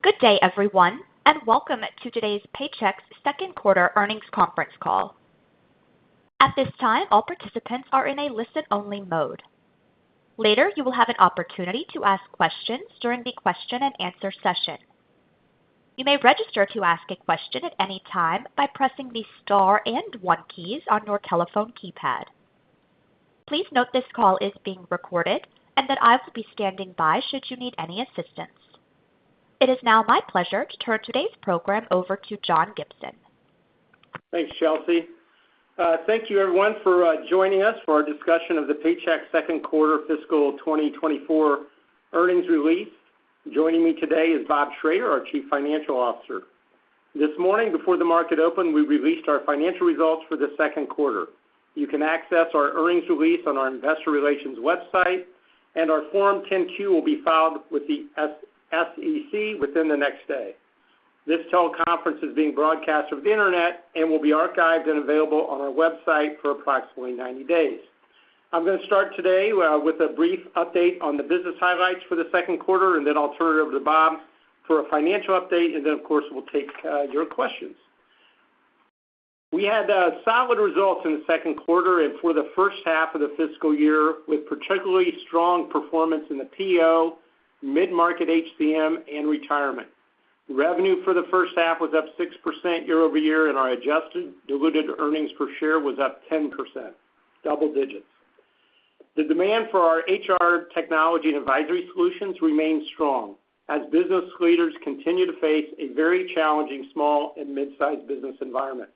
Good day, everyone, and welcome to today's Paychex second quarter earnings conference call. At this time, all participants are in a listen-only mode. Later, you will have an opportunity to ask questions during the question-and-answer session. You may register to ask a question at any time by pressing the star and one keys on your telephone keypad. Please note this call is being recorded and that I will be standing by should you need any assistance. It is now my pleasure to turn today's program over to John Gibson. Thanks, Chelsea. Thank you, everyone, for joining us for our discussion of the Paychex second quarter fiscal 2024 earnings release. Joining me today is Bob Schrader, our Chief Financial Officer. This morning, before the market opened, we released our financial results for the second quarter. You can access our earnings release on our investor relations website, and our Form 10-Q will be filed with the SEC within the next day. This teleconference is being broadcast from the Internet and will be archived and available on our website for approximately 90 days. I'm going to start today with a brief update on the business highlights for the second quarter, and then I'll turn it over to Bob for a financial update, and then, of course, we'll take your questions. We had solid results in the second quarter and for the first half of the fiscal year, with particularly strong performance in the PEO, mid-market HCM, and retirement. Revenue for the first half was up 6% year-over-year, and our adjusted diluted earnings per share was up 10%, double digits. The demand for our HR technology and advisory solutions remains strong as business leaders continue to face a very challenging small and mid-sized business environment.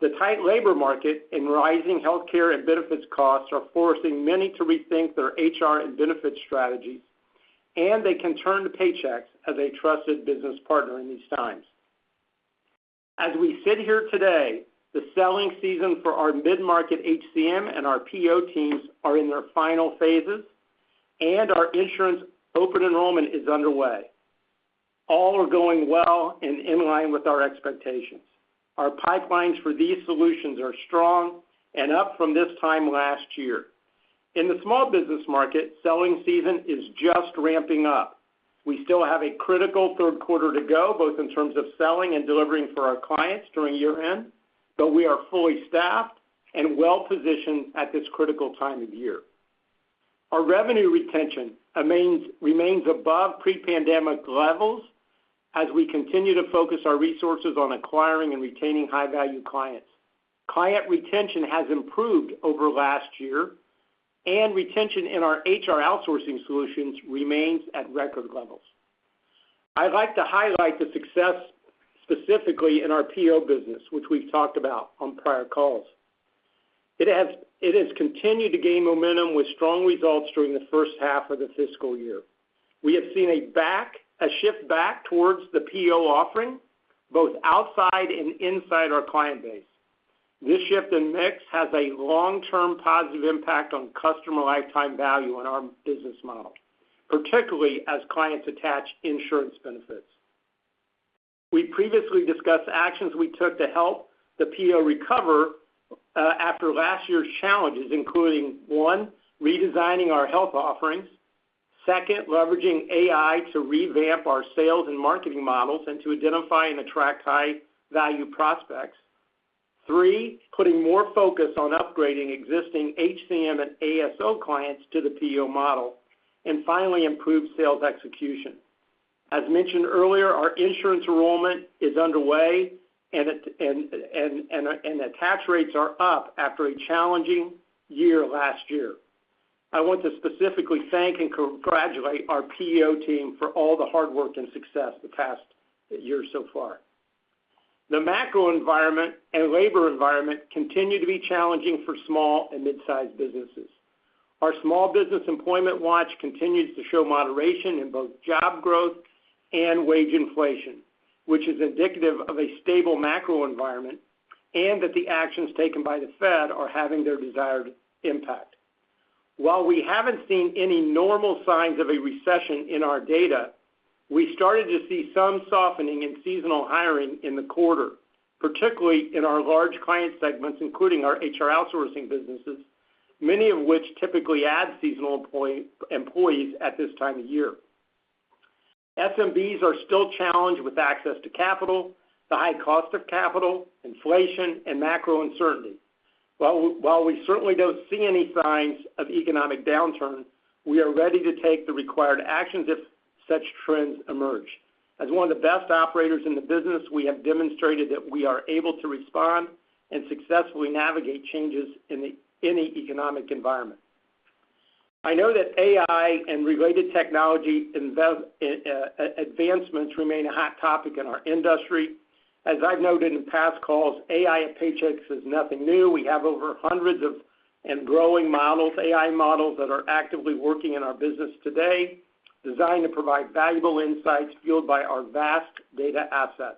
The tight labor market and rising healthcare and benefits costs are forcing many to rethink their HR and benefits strategies, and they can turn to Paychex as a trusted business partner in these times. As we sit here today, the selling season for our mid-market HCM and our PEO teams are in their final phases, and our insurance open enrollment is underway. All are going well and in line with our expectations. Our pipelines for these solutions are strong and up from this time last year. In the small business market, selling season is just ramping up. We still have a critical third quarter to go, both in terms of selling and delivering for our clients during year-end, but we are fully staffed and well-positioned at this critical time of year. Our revenue retention remains above pre-pandemic levels as we continue to focus our resources on acquiring and retaining high-value clients. Client retention has improved over last year, and retention in our HR outsourcing solutions remains at record levels. I'd like to highlight the success specifically in our PEO business, which we've talked about on prior calls. It has continued to gain momentum with strong results during the first half of the fiscal year. We have seen a back—a shift back towards the PEO offering, both outside and inside our client base. This shift in mix has a long-term positive impact on customer lifetime value in our business model, particularly as clients attach insurance benefits. We previously discussed actions we took to help the PEO recover after last year's challenges, including, one, redesigning our health offerings. Second, leveraging AI to revamp our sales and marketing models and to identify and attract high-value prospects. Three, putting more focus on upgrading existing HCM and ASO clients to the PEO model. And finally, improve sales execution. As mentioned earlier, our insurance enrollment is underway and attach rates are up after a challenging year last year. I want to specifically thank and congratulate our PEO team for all the hard work and success the past year so far. The macro environment and labor environment continue to be challenging for small and mid-sized businesses. Our Small Business Employment Watch continues to show moderation in both job growth and wage inflation, which is indicative of a stable macro environment and that the actions taken by the Fed are having their desired impact. While we haven't seen any normal signs of a recession in our data, we started to see some softening in seasonal hiring in the quarter, particularly in our large client segments, including our HR outsourcing businesses, many of which typically add seasonal employees at this time of year. SMBs are still challenged with access to capital, the high cost of capital, inflation, and macro uncertainty. While we certainly don't see any signs of economic downturn, we are ready to take the required actions if such trends emerge. As one of the best operators in the business, we have demonstrated that we are able to respond and successfully navigate changes in any economic environment. I know that AI and related technology investments, advancements remain a hot topic in our industry. As I've noted in past calls, AI at Paychex is nothing new. We have over hundreds of and growing models, AI models, that are actively working in our business today, designed to provide valuable insights fueled by our vast data assets.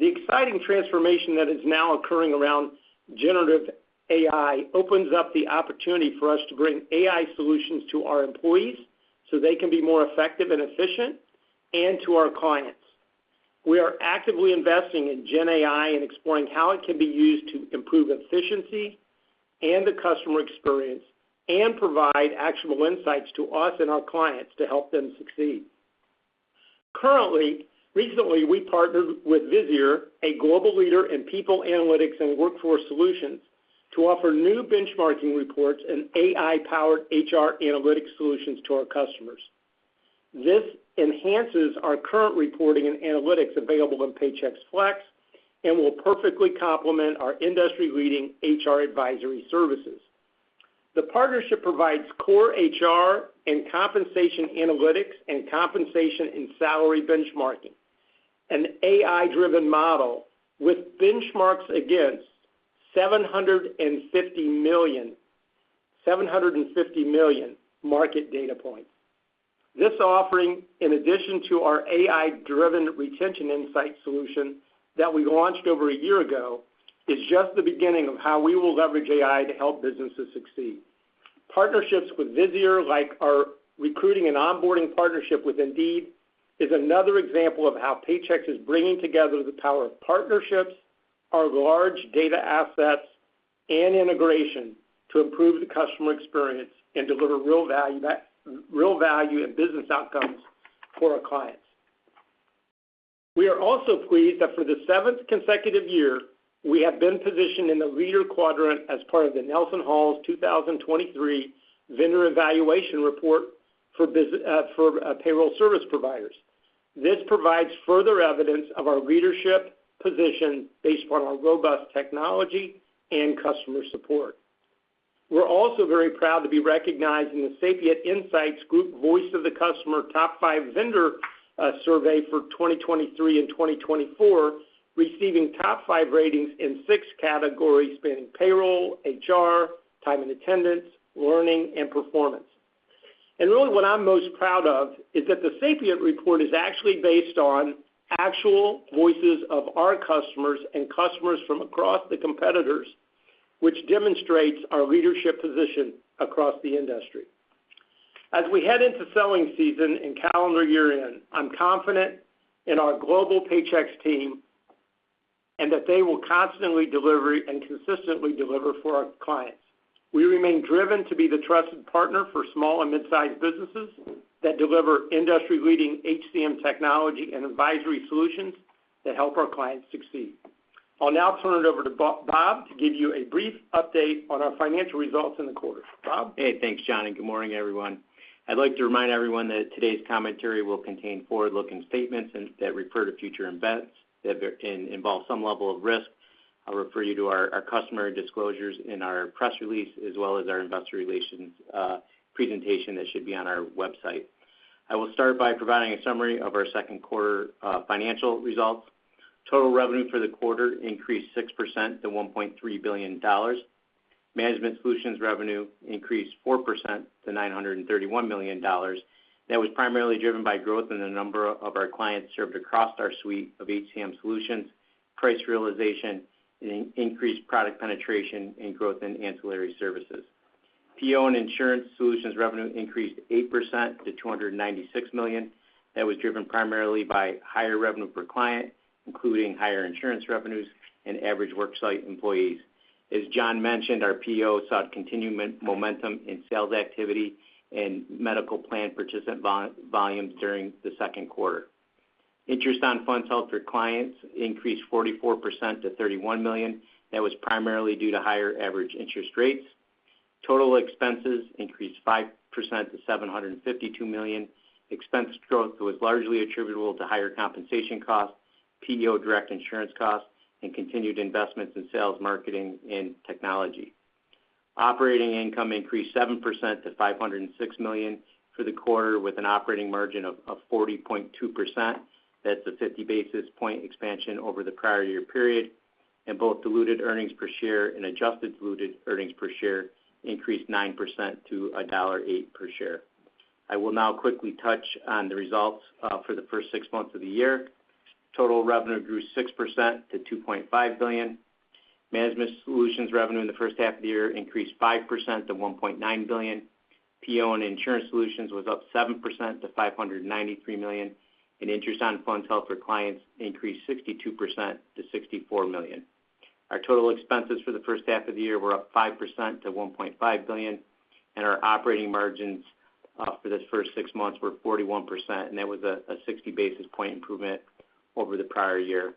The exciting transformation that is now occurring around generative AI opens up the opportunity for us to bring AI solutions to our employees, so they can be more effective and efficient, and to our clients. We are actively investing in Gen AI and exploring how it can be used to improve efficiency and the customer experience, and provide actionable insights to us and our clients to help them succeed. Currently, recently, we partnered with Visier, a global leader in people analytics and workforce solutions, to offer new benchmarking reports and AI-powered HR analytics solutions to our customers. This enhances our current reporting and analytics available in Paychex Flex and will perfectly complement our industry-leading HR advisory services. The partnership provides core HR and compensation analytics and compensation and salary benchmarking, an AI-driven model with benchmarks against 750 million, 750 million market data points. This offering, in addition to our AI-driven retention insight solution that we launched over a year ago, is just the beginning of how we will leverage AI to help businesses succeed. Partnerships with Visier, like our recruiting and onboarding partnership with Indeed, is another example of how Paychex is bringing together the power of partnerships, our large data assets, and integration to improve the customer experience and deliver real value, real value and business outcomes for our clients. We are also pleased that for the seventh consecutive year, we have been positioned in the leader quadrant as part of the NelsonHall's 2023 Vendor Evaluation Report for payroll service providers. This provides further evidence of our leadership position based on our robust technology and customer support. We're also very proud to be recognized in the Sapient Insights Group Voice of the Customer Top Five Vendor Survey for 2023 and 2024, receiving top five ratings in six categories, spanning payroll, HR, time and attendance, learning, and performance. And really, what I'm most proud of is that the Sapient report is actually based on actual voices of our customers and customers from across the competitors, which demonstrates our leadership position across the industry. As we head into selling season and calendar year-end, I'm confident in our global Paychex team and that they will constantly and consistently deliver for our clients. We remain driven to be the trusted partner for small and mid-sized businesses that deliver industry-leading HCM technology and advisory solutions that help our clients succeed. I'll now turn it over to Bob, to give you a brief update on our financial results in the quarter. Bob? Hey, thanks, John, and good morning, everyone. I'd like to remind everyone that today's commentary will contain forward-looking statements and, that refer to future events, that involve some level of risk. I'll refer you to our, our customer disclosures in our press release, as well as our investor relations presentation that should be on our website. I will start by providing a summary of our second quarter financial results. Total revenue for the quarter increased 6% to $1.3 billion. Management solutions revenue increased 4% to $931 million. That was primarily driven by growth in the number of our clients served across our suite of HCM solutions, price realization, and increased product penetration and growth in ancillary services. PEO and insurance solutions revenue increased 8% to $296 million. That was driven primarily by higher revenue per client, including higher insurance revenues and average worksite employees. As John mentioned, our PEO saw continuing momentum in sales activity and medical plan participant volumes during the second quarter. Interest on funds held for clients increased 44% to $31 million. That was primarily due to higher average interest rates. Total expenses increased 5% to $752 million. Expense growth was largely attributable to higher compensation costs, PEO direct insurance costs, and continued investments in sales, marketing, and technology. Operating income increased 7% to $506 million for the quarter, with an operating margin of 40.2%. That's a 50 basis point expansion over the prior year period, and both diluted earnings per share and adjusted diluted earnings per share increased 9% to $1.08 per share. I will now quickly touch on the results for the first six months of the year. Total revenue grew 6% to $2.5 billion. Management solutions revenue in the first half of the year increased 5% to $1.9 billion. PEO and insurance solutions was up 7% to $593 million, and interest on funds held for clients increased 62% to $64 million. Our total expenses for the first half of the year were up 5% to $1.5 billion, and our operating margins for this first six months were 41%, and that was a 60 basis point improvement over the prior year.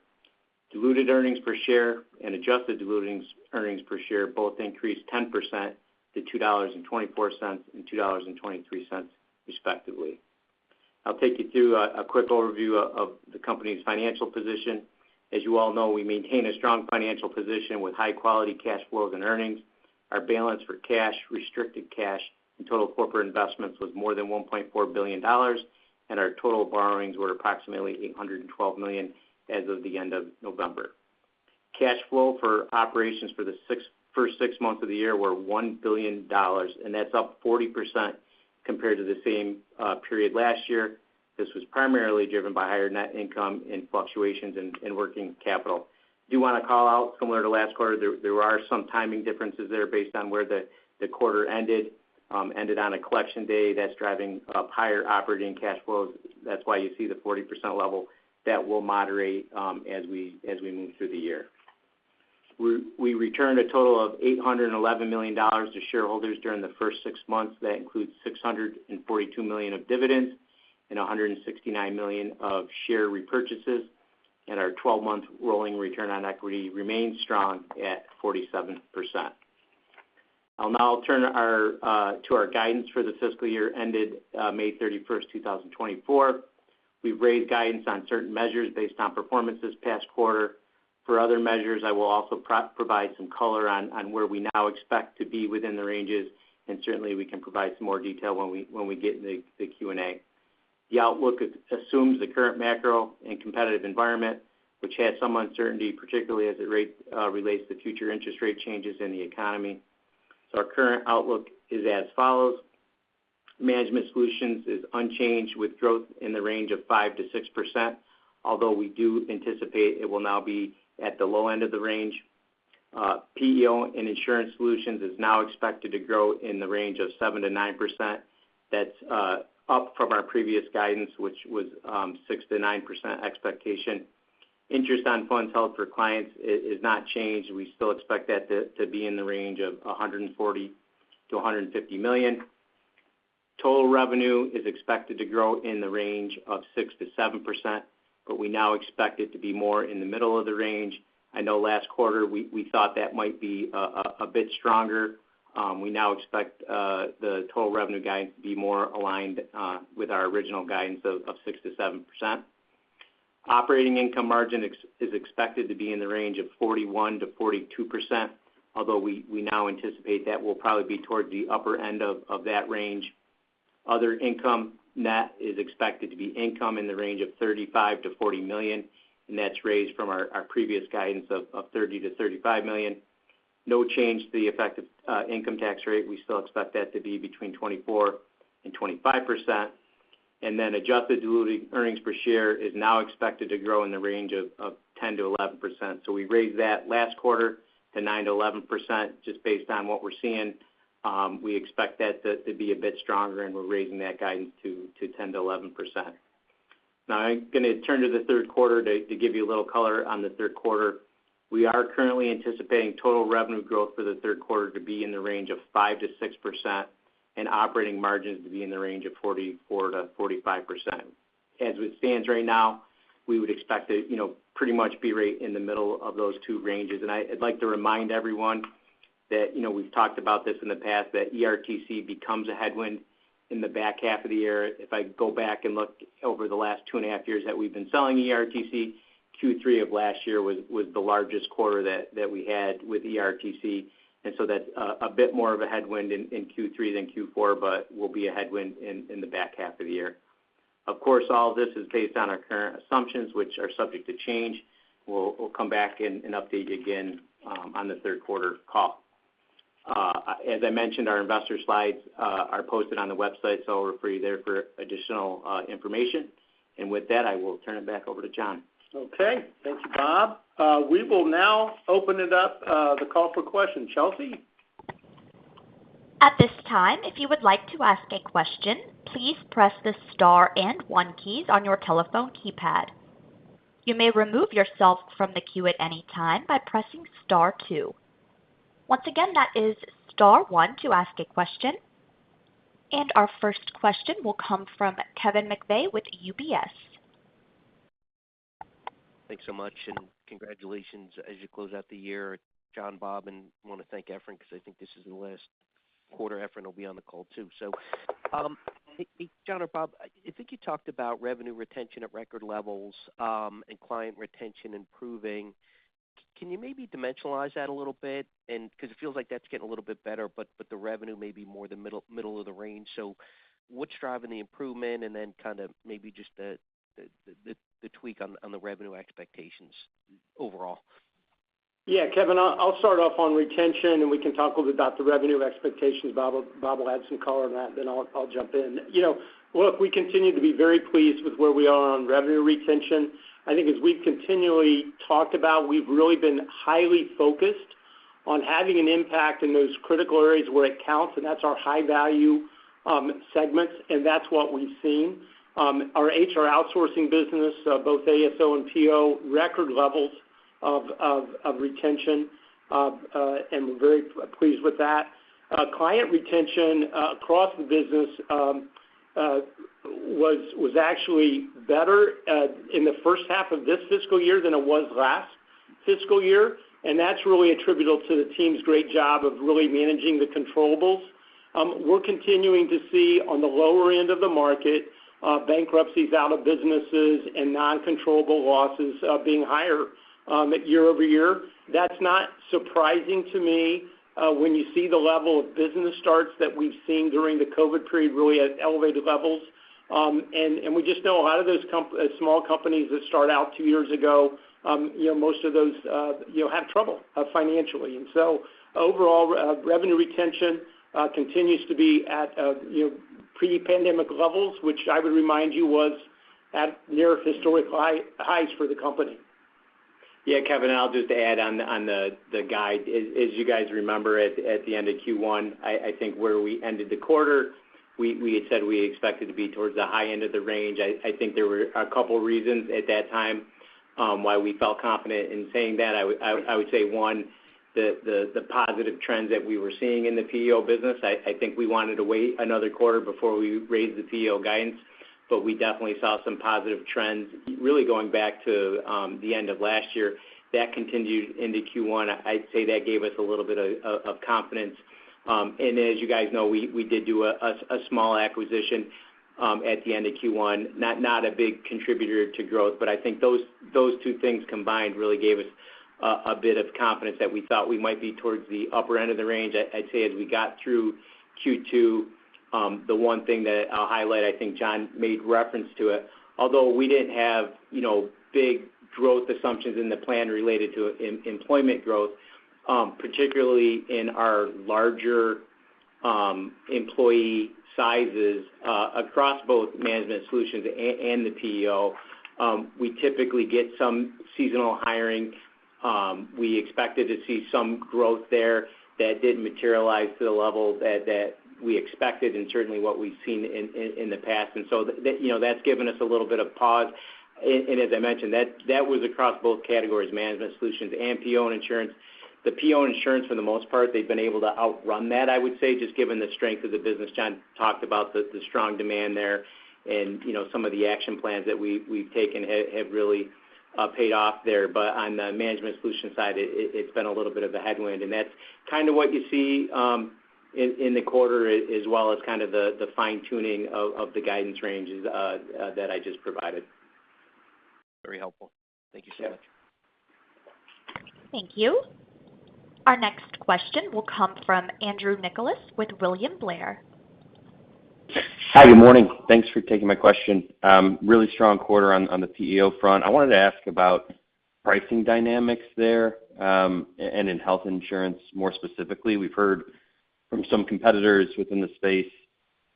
Diluted earnings per share and adjusted diluted earnings per share both increased 10% to $2.24 and $2.23, respectively. I'll take you through a quick overview of the company's financial position. As you all know, we maintain a strong financial position with high-quality cash flows and earnings. Our balance for cash, restricted cash, and total corporate investments was more than $1.4 billion, and our total borrowings were approximately $812 million as of the end of November. Cash flow for operations for the first six months of the year were $1 billion, and that's up 40% compared to the same period last year. This was primarily driven by higher net income and fluctuations in working capital. I do want to call out, similar to last quarter, there are some timing differences there based on where the quarter ended on a collection day that's driving higher operating cash flows. That's why you see the 40% level. That will moderate as we move through the year. We returned a total of $811 million to shareholders during the first six months. That includes $642 million of dividends and $169 million of share repurchases, and our 12-month rolling return on equity remains strong at 47%. I'll now turn our to our guidance for the fiscal year ended May 31, 2024. We've raised guidance on certain measures based on performance this past quarter. For other measures, I will also provide some color on where we now expect to be within the ranges, and certainly, we can provide some more detail when we get in the Q&A. The outlook assumes the current macro and competitive environment, which has some uncertainty, particularly as it relates to future interest rate changes in the economy. So our current outlook is as follows: Management solutions is unchanged, with growth in the range of 5%-6%, although we do anticipate it will now be at the low end of the range. PEO and Insurance Solutions is now expected to grow in the range of 7%-9%. That's up from our previous guidance, which was 6%-9% expectation. Interest on funds held for clients is not changed. We still expect that to be in the range of $140 million-$150 million. Total revenue is expected to grow in the range of 6%-7%, but we now expect it to be more in the middle of the range. I know last quarter, we thought that might be a bit stronger. We now expect the total revenue guidance to be more aligned with our original guidance of 6%-7%. Operating income margin ex- is expected to be in the range of 41%-42%, although we now anticipate that will probably be towards the upper end of that range. Other income net is expected to be income in the range of $35 million-$40 million, and that's raised from our previous guidance of $30 million-$35 million. No change to the effective income tax rate. We still expect that to be between 24%-25%. Then adjusted diluted earnings per share is now expected to grow in the range of 10%-11%. So we raised that last quarter to 9%-11%, just based on what we're seeing. We expect that to be a bit stronger, and we're raising that guidance to 10%-11%. Now, I'm going to turn to the third quarter to give you a little color on the third quarter. We are currently anticipating total revenue growth for the third quarter to be in the range of 5%-6% and operating margins to be in the range of 44%-45%. As it stands right now, we would expect to, you know, pretty much be right in the middle of those two ranges. I'd like to remind everyone that, you know, we've talked about this in the past, that ERTC becomes a headwind in the back half of the year. If I go back and look over the last two and a half years that we've been selling ERTC, Q3 of last year was the largest quarter that we had with ERTC, and so that's a bit more of a headwind in Q3 than Q4, but will be a headwind in the back half of the year. Of course, all this is based on our current assumptions, which are subject to change. We'll come back and update you again on the third quarter call. As I mentioned, our investor slides are posted on the website, so I'll refer you there for additional information. With that, I will turn it back over to John. Okay. Thank you, Bob. We will now open it up, the call for questions. Chelsea? At this time, if you would like to ask a question, please press the star and one keys on your telephone keypad. You may remove yourself from the queue at any time by pressing star two. Once again, that is star one to ask a question. Our first question will come from Kevin McVeigh with UBS. Thanks so much, and congratulations as you close out the year, John, Bob, and I want to thank Efrain, because I think this is the last quarter Efrain will be on the call, too. So, hey, John or Bob, I think you talked about revenue retention at record levels, and client retention improving. Can you maybe dimensionalize that a little bit? Because it feels like that's getting a little bit better, but the revenue may be more the middle of the range. So what's driving the improvement, and then kind of maybe just the tweak on the revenue expectations overall? Yeah, Kevin, I'll start off on retention, and we can talk a little about the revenue expectations. Bob will add some color on that, then I'll jump in. You know, look, we continue to be very pleased with where we are on revenue retention. I think as we've continually talked about, we've really been highly focused on having an impact in those critical areas where it counts, and that's our high-value segments, and that's what we've seen. Our HR outsourcing business, both ASO and PEO, record levels of retention, and we're very pleased with that. Client retention across the business was actually better in the first half of this fiscal year than it was last fiscal year, and that's really attributable to the team's great job of really managing the controllables. We're continuing to see, on the lower end of the market, bankruptcies out of businesses and non-controllable losses being higher year-over-year. That's not surprising to me when you see the level of business starts that we've seen during the COVID period, really at elevated levels. And we just know a lot of those small companies that start out two years ago, you know, most of those, you know, have trouble financially. And so overall, revenue retention continues to be at, you know, pre-pandemic levels, which I would remind you was at near historic highs for the company. Yeah, Kevin, and I'll just add on the guide. As you guys remember, at the end of Q1, I think where we ended the quarter, we had said we expected to be towards the high end of the range. I think there were a couple reasons at that time why we felt confident in saying that. I would say, one, the positive trends that we were seeing in the PEO business. I think we wanted to wait another quarter before we raised the PEO guidance, but we definitely saw some positive trends really going back to the end of last year. That continued into Q1. I'd say that gave us a little bit of confidence. As you guys know, we did do a small acquisition at the end of Q1, not a big contributor to growth, but I think those two things combined really gave us a bit of confidence that we thought we might be towards the upper end of the range. I'd say as we got through Q2, the one thing that I'll highlight, I think John made reference to it, although we didn't have, you know, big growth assumptions in the plan related to employment growth, particularly in our larger employee sizes, across both Management solutions and the PEO, we typically get some seasonal hiring. We expected to see some growth there that didn't materialize to the level that we expected and certainly what we've seen in the past. And so you know, that's given us a little bit of pause. And as I mentioned, that was across both categories, Management solutions and PEO and insurance. The PEO and insurance, for the most part, they've been able to outrun that, I would say, just given the strength of the business. John talked about the strong demand there and, you know, some of the action plans that we've taken have really paid off there. But on the management solution side, it's been a little bit of a headwind, and that's kind of what you see in the quarter, as well as kind of the fine-tuning of the guidance ranges that I just provided. Very helpful. Thank you so much. Thank you. Our next question will come from Andrew Nicholas with William Blair. Hi, good morning. Thanks for taking my question. Really strong quarter on the PEO front. I wanted to ask about pricing dynamics there, and in health insurance, more specifically. We've heard from some competitors within the space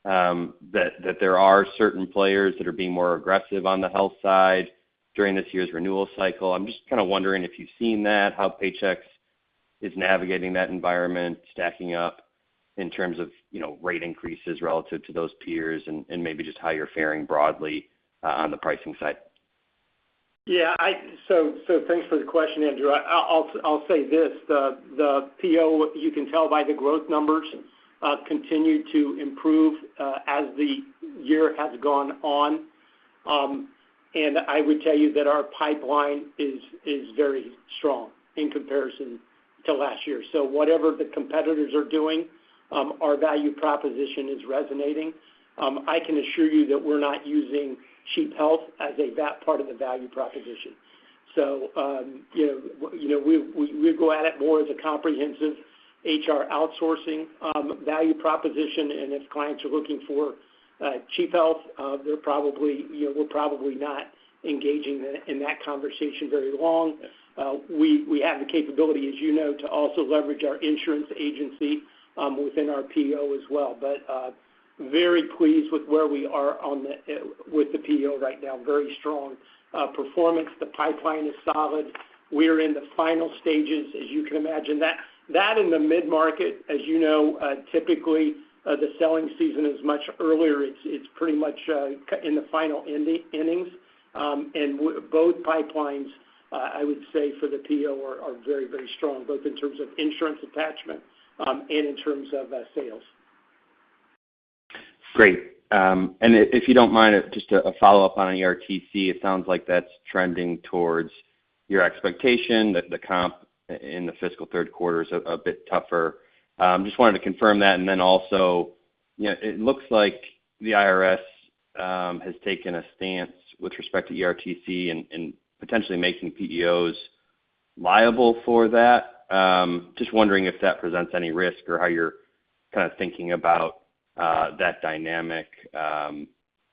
that there are certain players that are being more aggressive on the health side during this year's renewal cycle. I'm just kind of wondering if you've seen that, how Paychex is navigating that environment, stacking up in terms of, you know, rate increases relative to those peers, and maybe just how you're faring broadly on the pricing side. Yeah, so thanks for the question, Andrew. I'll say this, the PEO, you can tell by the growth numbers continue to improve as the year has gone on. And I would tell you that our pipeline is very strong in comparison to last year. So whatever the competitors are doing, our value proposition is resonating. I can assure you that we're not using cheap health as a part of the value proposition. So, you know, you know, we go at it more as a comprehensive HR outsourcing value proposition, and if clients are looking for cheap health, they're probably, you know, we're probably not engaging in that conversation very long. We have the capability, as you know, to also leverage our insurance agency within our PEO as well, but very pleased with where we are on the with the PEO right now. Very strong performance. The pipeline is solid. We're in the final stages, as you can imagine. That in the mid-market, as you know, typically the selling season is much earlier. It's pretty much in the final inning, innings. And both pipelines, I would say, for the PEO are very, very strong, both in terms of insurance attachment and in terms of sales. Great. And if you don't mind, just a follow-up on ERTC. It sounds like that's trending towards your expectation that the comp in the fiscal third quarter is a bit tougher. Just wanted to confirm that, and then also, you know, it looks like the IRS has taken a stance with respect to ERTC and potentially making PEOs liable for that. Just wondering if that presents any risk or how you're kind of thinking about that dynamic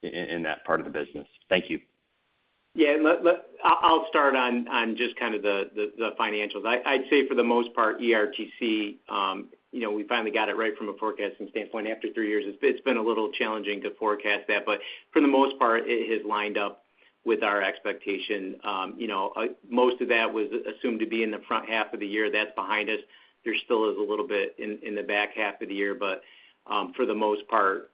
in that part of the business. Thank you. Yeah. Let... I'll start on just kind of the financials. I'd say for the most part, ERTC, you know, we finally got it right from a forecasting standpoint. After three years, it's been a little challenging to forecast that, but for the most part, it has lined up with our expectation. You know, most of that was assumed to be in the front half of the year. That's behind us. There still is a little bit in the back half of the year, but for the most part,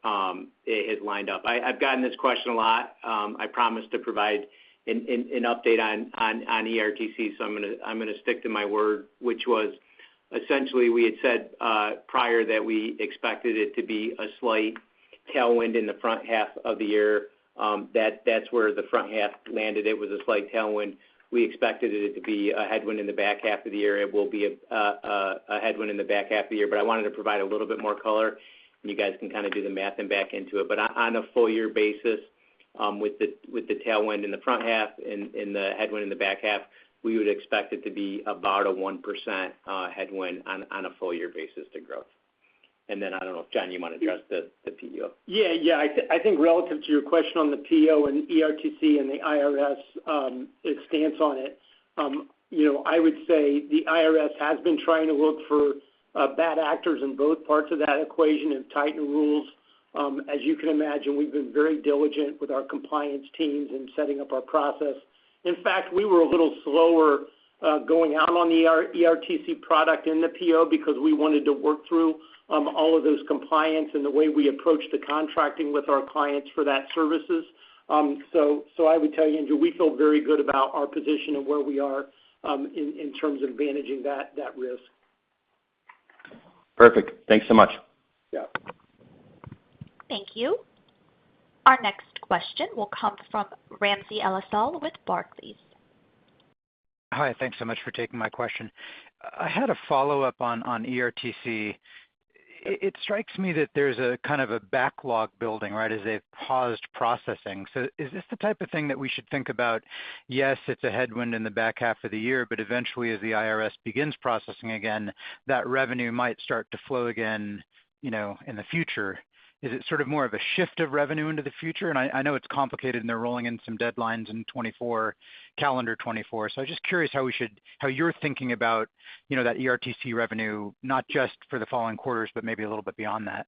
it has lined up. I've gotten this question a lot. I promise to provide an update on ERTC, so I'm gonna stick to my word, which was essentially we had said prior that we expected it to be a slight tailwind in the front half of the year. That's where the front half landed. It was a slight tailwind. We expected it to be a headwind in the back half of the year. It will be a headwind in the back half of the year, but I wanted to provide a little bit more color, and you guys can kind of do the math and back into it. But on a full year basis, with the tailwind in the front half and the headwind in the back half, we would expect it to be about a 1% headwind on a full year basis to growth. And then, I don't know if, John, you want to address the PEO? Yeah, yeah. I think relative to your question on the PEO and ERTC and the IRS stance on it. You know, I would say the IRS has been trying to look for bad actors in both parts of that equation and tighten rules. As you can imagine, we've been very diligent with our compliance teams in setting up our process. In fact, we were a little slower going out on the ERTC product in the PEO because we wanted to work through all of those compliance and the way we approach the contracting with our clients for that services. So, I would tell you, Andrew, we feel very good about our position and where we are in terms of managing that risk. Perfect. Thanks so much. Yeah. Thank you. Our next question will come from Ramsey El-Assal with Barclays. Hi, thanks so much for taking my question. I had a follow-up on, on ERTC. It strikes me that there's a kind of a backlog building, right, as they've paused processing. So is this the type of thing that we should think about? Yes, it's a headwind in the back half of the year, but eventually, as the IRS begins processing again, that revenue might start to flow again, you know, in the future. Is it sort of more of a shift of revenue into the future? And I, I know it's complicated, and they're rolling in some deadlines in 2024, calendar 2024. So I'm just curious how we should- how you're thinking about, you know, that ERTC revenue, not just for the following quarters, but maybe a little bit beyond that.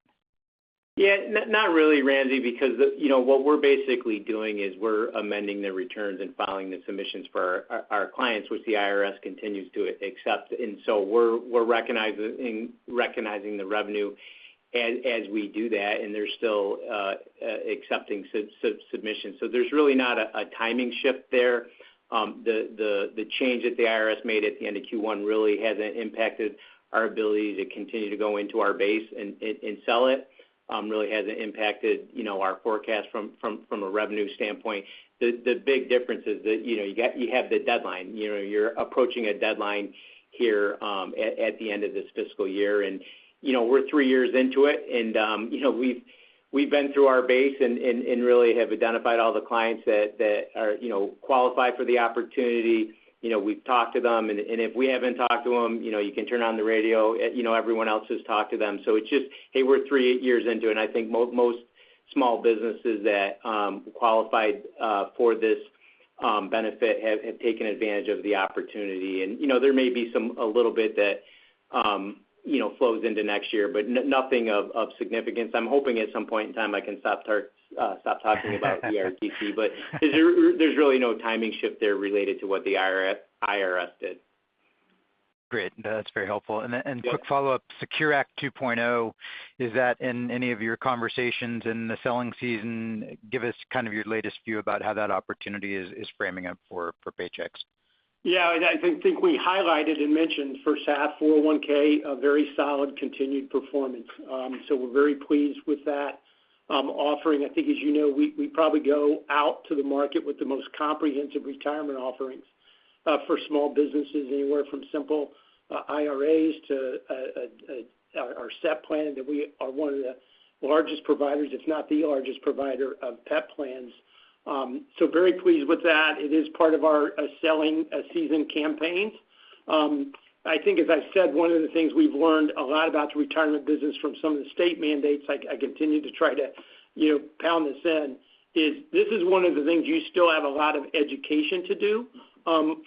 Yeah, not really, Ramsey, because the... You know, what we're basically doing is we're amending the returns and filing the submissions for our clients, which the IRS continues to accept. And so we're recognizing the revenue as we do that, and they're still accepting submissions. So there's really not a timing shift there. The change that the IRS made at the end of Q1 really hasn't impacted our ability to continue to go into our base and sell it, really hasn't impacted, you know, our forecast from a revenue standpoint. The big difference is that, you know, you have the deadline. You know, you're approaching a deadline here at the end of this fiscal year. You know, we're 3 years into it, and you know, we've been through our base and really have identified all the clients that are, you know, qualify for the opportunity. You know, we've talked to them, and if we haven't talked to them, you know, you can turn on the radio, you know, everyone else has talked to them. So it's just, hey, we're 3 years into it, and I think most small businesses that qualified for this benefit have taken advantage of the opportunity. You know, there may be some, a little bit that you know flows into next year, but nothing of significance. I'm hoping at some point in time, I can stop talking about ERTC. But there's really no timing shift there related to what the IRS did. Great. That's very helpful. Yep. Then, a quick follow-up. Secure Act 2.0, is that in any of your conversations in the selling season? Give us kind of your latest view about how that opportunity is framing up for Paychex. Yeah, I think we highlighted and mentioned for the 401(k), a very solid continued performance. So we're very pleased with that offering. I think, as you know, we probably go out to the market with the most comprehensive retirement offerings for small businesses, anywhere from SIMPLE IRAs to our SEP plan, that we are one of the largest providers, if not the largest provider of PEP plans. So very pleased with that. It is part of our selling season campaign. I think, as I said, one of the things we've learned a lot about the retirement business from some of the state mandates, I continue to try to, you know, pound this in, is this is one of the things you still have a lot of education to do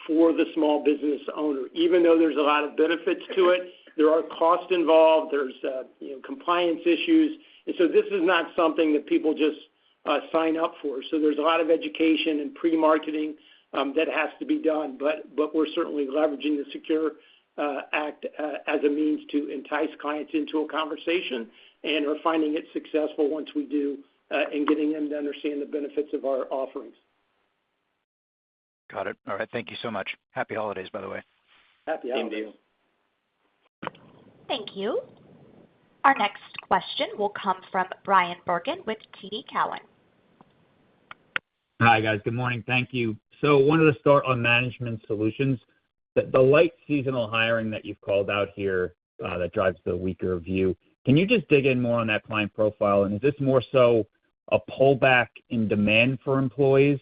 for the small business owner. Even though there's a lot of benefits to it, there are costs involved, there's you know, compliance issues. And so this is not something that people just sign up for. So there's a lot of education and pre-marketing that has to be done. But, but we're certainly leveraging the Secure Act as a means to entice clients into a conversation, and we're finding it successful once we do in getting them to understand the benefits of our offerings. Got it. All right. Thank you so much. Happy holidays, by the way. Happy holidays. Same to you. Thank you. Our next question will come from Bryan Bergin with TD Cowen. Hi, guys. Good morning. Thank you. So I wanted to start on Management solutions. The light seasonal hiring that you've called out here that drives the weaker view, can you just dig in more on that client profile? And is this more so a pullback in demand for employees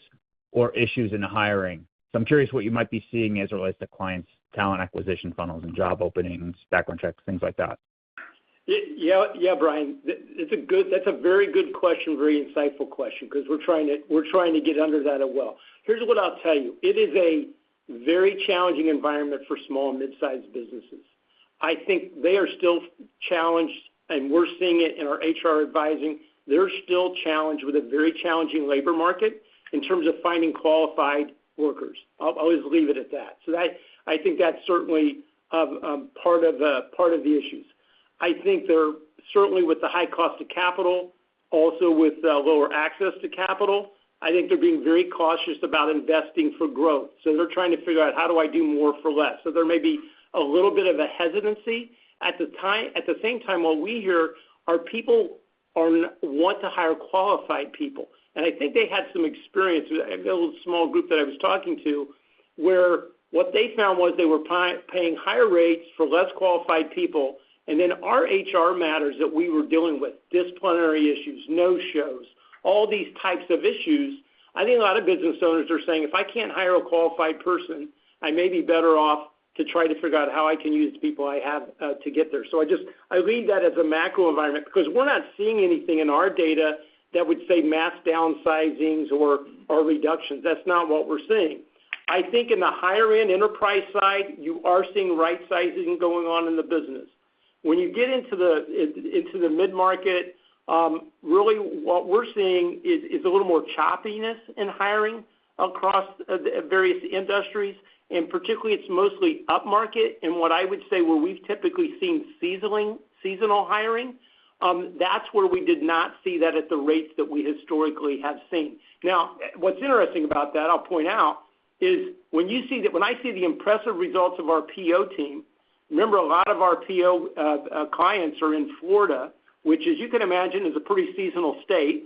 or issues in the hiring? So I'm curious what you might be seeing as it relates to clients' talent acquisition funnels and job openings, background checks, things like that. Yeah. Yeah, Brian, it's a good, that's a very good question, very insightful question, because we're trying to, we're trying to get under that as well. Here's what I'll tell you: It is a very challenging environment for small and mid-sized businesses. I think they are still challenged, and we're seeing it in our HR advising. They're still challenged with a very challenging labor market in terms of finding qualified workers. I'll just leave it at that. So that, I think that's certainly part of the, part of the issues. I think they're certainly with the high cost of capital, also with lower access to capital, I think they're being very cautious about investing for growth. So they're trying to figure out, how do I do more for less? So there may be a little bit of a hesitancy. At the same time, what we hear are people want to hire qualified people. And I think they had some experience, a little small group that I was talking to, where what they found was they were paying higher rates for less qualified people, and then our HR matters that we were dealing with, disciplinary issues, no-shows, all these types of issues. I think a lot of business owners are saying: If I can't hire a qualified person, I may be better off to try to figure out how I can use the people I have to get there. So I just leave that as a macro environment because we're not seeing anything in our data that would say mass downsizings or reductions. That's not what we're seeing. I think in the higher-end enterprise side, you are seeing rightsizing going on in the business. When you get into the mid-market, really what we're seeing is a little more choppiness in hiring across the various industries, and particularly, it's mostly upmarket. What I would say, where we've typically seen seasonal hiring, that's where we did not see that at the rates that we historically have seen. Now, what's interesting about that, I'll point out, is when I see the impressive results of our PEO team, remember, a lot of our PEO clients are in Florida, which, as you can imagine, is a pretty seasonal state,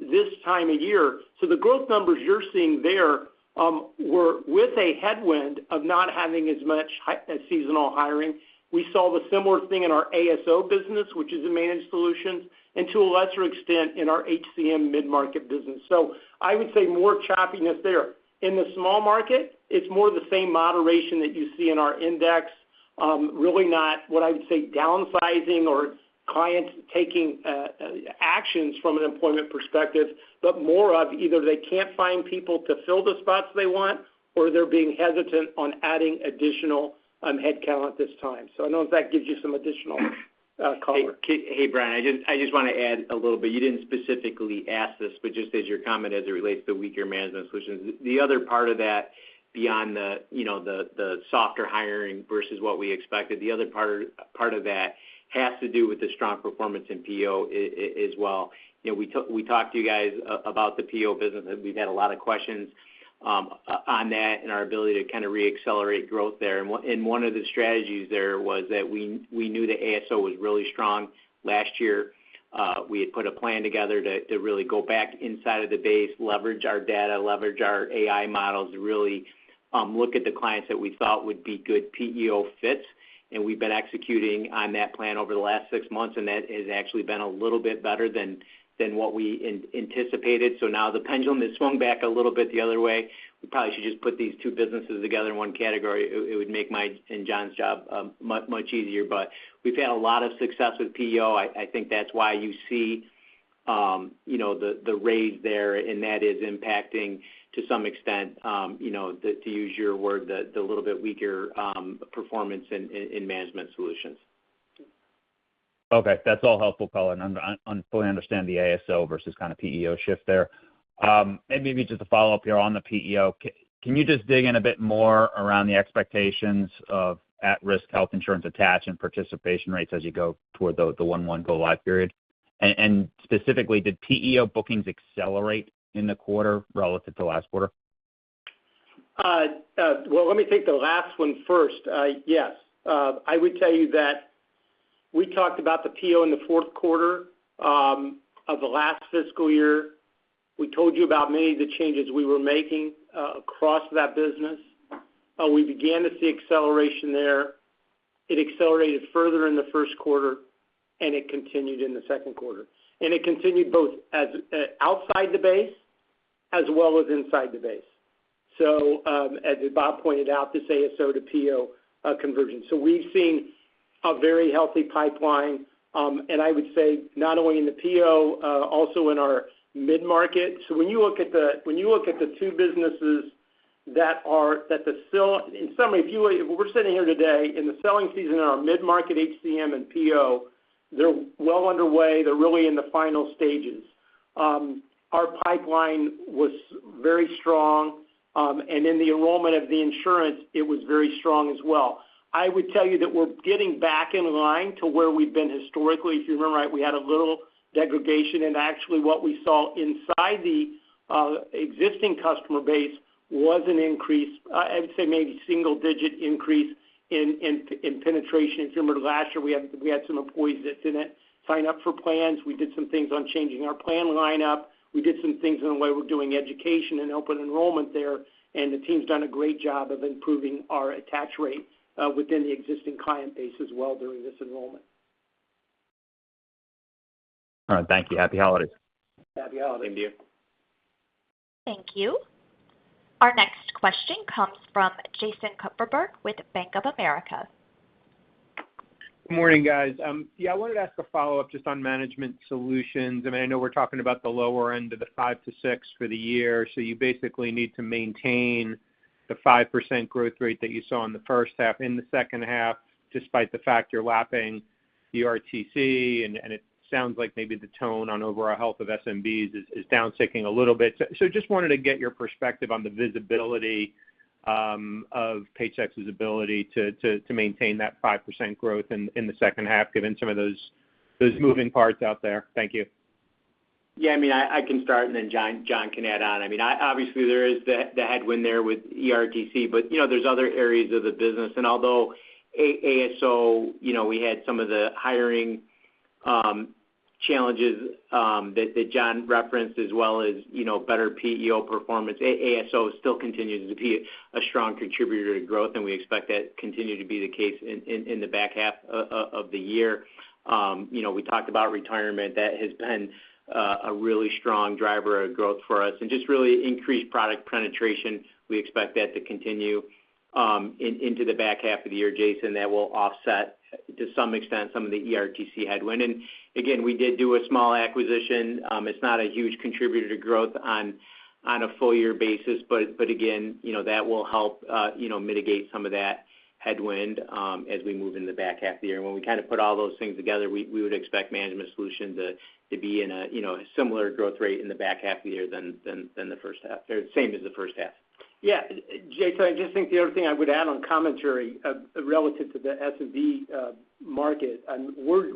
this time of year. So the growth numbers you're seeing there were with a headwind of not having as much seasonal hiring. We saw the similar thing in our ASO business, which is a managed solution, and to a lesser extent, in our HCM mid-market business. So I would say more choppiness there. In the small market, it's more of the same moderation that you see in our index, really not what I would say, downsizing or clients taking actions from an employment perspective, but more of either they can't find people to fill the spots they want, or they're being hesitant on adding additional headcount at this time. So I don't know if that gives you some additional color. Hey, Brian, I just want to add a little bit. You didn't specifically ask this, but just as your comment as it relates to weaker HCM solutions. The other part of that, beyond the, you know, the softer hiring versus what we expected, the other part of that has to do with the strong performance in PEO as well. You know, we talked to you guys about the PEO business, and we've had a lot of questions on that and our ability to kind of reaccelerate growth there. And one of the strategies there was that we knew that ASO was really strong last year. We had put a plan together to really go back inside of the base, leverage our data, leverage our AI models, to really look at the clients that we thought would be good PEO fits, and we've been executing on that plan over the last six months, and that has actually been a little bit better than what we anticipated. So now the pendulum has swung back a little bit the other way. We probably should just put these two businesses together in one category. It would make my and John's job much, much easier, but we've had a lot of success with PEO. I think that's why you see, you know, the raise there, and that is impacting to some extent, you know, to use your word, the little bit weaker performance in Management solutions. Okay, that's all helpful, Colin, and I fully understand the ASO versus kind of PEO shift there. And maybe just a follow-up here on the PEO. Can you just dig in a bit more around the expectations of at-risk health insurance attach and participation rates as you go toward the 1-1 go-live period? And specifically, did PEO bookings accelerate in the quarter relative to last quarter? Well, let me take the last one first. Yes. I would tell you that we talked about the PEO in the fourth quarter of the last fiscal year. We told you about many of the changes we were making across that business. We began to see acceleration there. It accelerated further in the first quarter, and it continued in the second quarter, and it continued both outside the base as well as inside the base. So, as Bob pointed out, this ASO to PEO conversion. So we've seen a very healthy pipeline, and I would say not only in the PEO, also in our mid-market. So when you look at the, when you look at the two businesses that are, that the sell... In summary, we're sitting here today in the selling season in our mid-market HCM and PEO, they're well underway. They're really in the final stages. Our pipeline was very strong, and in the enrollment of the insurance, it was very strong as well. I would tell you that we're getting back in line to where we've been historically. If you remember right, we had a little degradation, and actually, what we saw inside the existing customer base was an increase, I'd say maybe single digit increase in penetration. If you remember last year, we had some employees that didn't sign up for plans. We did some things on changing our plan lineup. We did some things in the way we're doing education and open enrollment there, and the team's done a great job of improving our attach rate within the existing client base as well during this enrollment. All right. Thank you. Happy holidays. Happy holidays. Same to you. Thank you. Our next question comes from Jason Kupferberg with Bank of America. Good morning, guys. Yeah, I wanted to ask a follow-up just on Management solutions. I mean, I know we're talking about the lower end of the 5-6 for the year, so you basically need to maintain the 5% growth rate that you saw in the first half, in the second half, despite the fact you're lapping ERTC, and it sounds like maybe the tone on overall health of SMBs is down ticking a little bit. So just wanted to get your perspective on the visibility of Paychex's ability to maintain that 5% growth in the second half, given some of those moving parts out there. Thank you. Yeah, I mean, I can start and then John can add on. I mean, obviously, there is the headwind there with ERTC, but, you know, there's other areas of the business. And although ASO, you know, we had some of the hiring challenges that John referenced, as well as, you know, better PEO performance, ASO still continues to be a strong contributor to growth, and we expect that to continue to be the case in the back half of the year. You know, we talked about retirement. That has been a really strong driver of growth for us and just really increased product penetration. We expect that to continue in the back half of the year, Jason, that will offset, to some extent, some of the ERTC headwind. And again, we did do a small acquisition. It's not a huge contributor to growth on a full year basis, but again, you know, that will help, you know, mitigate some of that headwind, as we move in the back half of the year. When we kind of put all those things together, we would expect management solution to be in a, you know, similar growth rate in the back half of the year than the first half, or same as the first half. Yeah, Jason, I just think the other thing I would add on commentary relative to the SMB market, and we're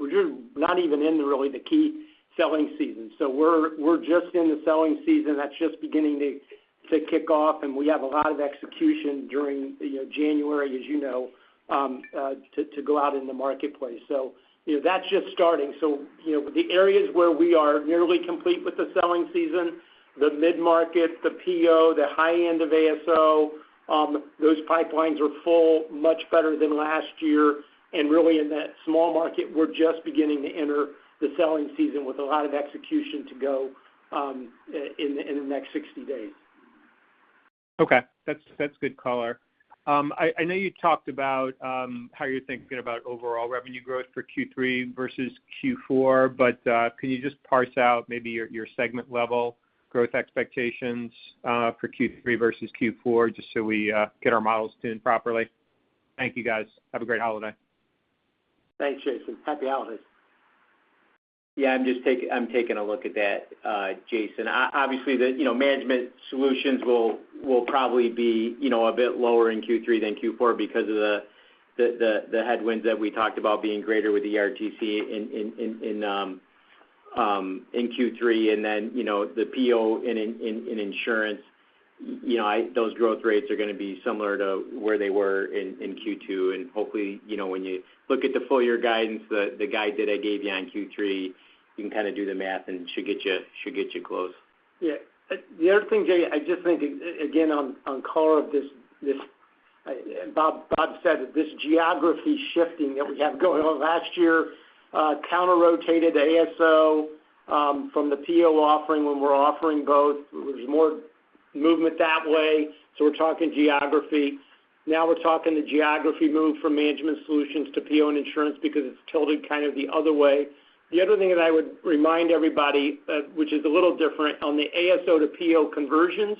not even into really the key selling season. So we're just in the selling season that's just beginning to kick off, and we have a lot of execution during, you know, January, as you know, to go out in the marketplace. So, you know, that's just starting. So, you know, the areas where we are nearly complete with the selling season, the mid-market, the PEO, the high end of ASO, those pipelines are full, much better than last year. And really, in that small market, we're just beginning to enter the selling season with a lot of execution to go in the next 60 days. Okay, that's, that's good color. I know you talked about how you're thinking about overall revenue growth for Q3 versus Q4, but can you just parse out maybe your segment level growth expectations for Q3 versus Q4, just so we get our models tuned properly? Thank you, guys. Have a great holiday. Thanks, Jason. Happy holidays. Yeah, I'm just taking a look at that, Jason. Obviously, the Management solutions will probably be a bit lower in Q3 than Q4 because of the headwinds that we talked about being greater with the ERTC in Q3. And then, you know, the PEO in insurance, those growth rates are gonna be similar to where they were in Q2. And hopefully, you know, when you look at the full year guidance, the guide that I gave you on Q3, you can kind of do the math, and it should get you close. Yeah. The other thing, Jay, I just think, again, on call of this, Bob said, this geography shifting that we have going on last year, counter-rotated ASO from the PEO offering, when we're offering both, there was more movement that way. So we're talking geography. Now we're talking the geography move from Management solutions to PEO and insurance because it's tilted kind of the other way. The other thing that I would remind everybody, which is a little different, on the ASO to PEO conversions,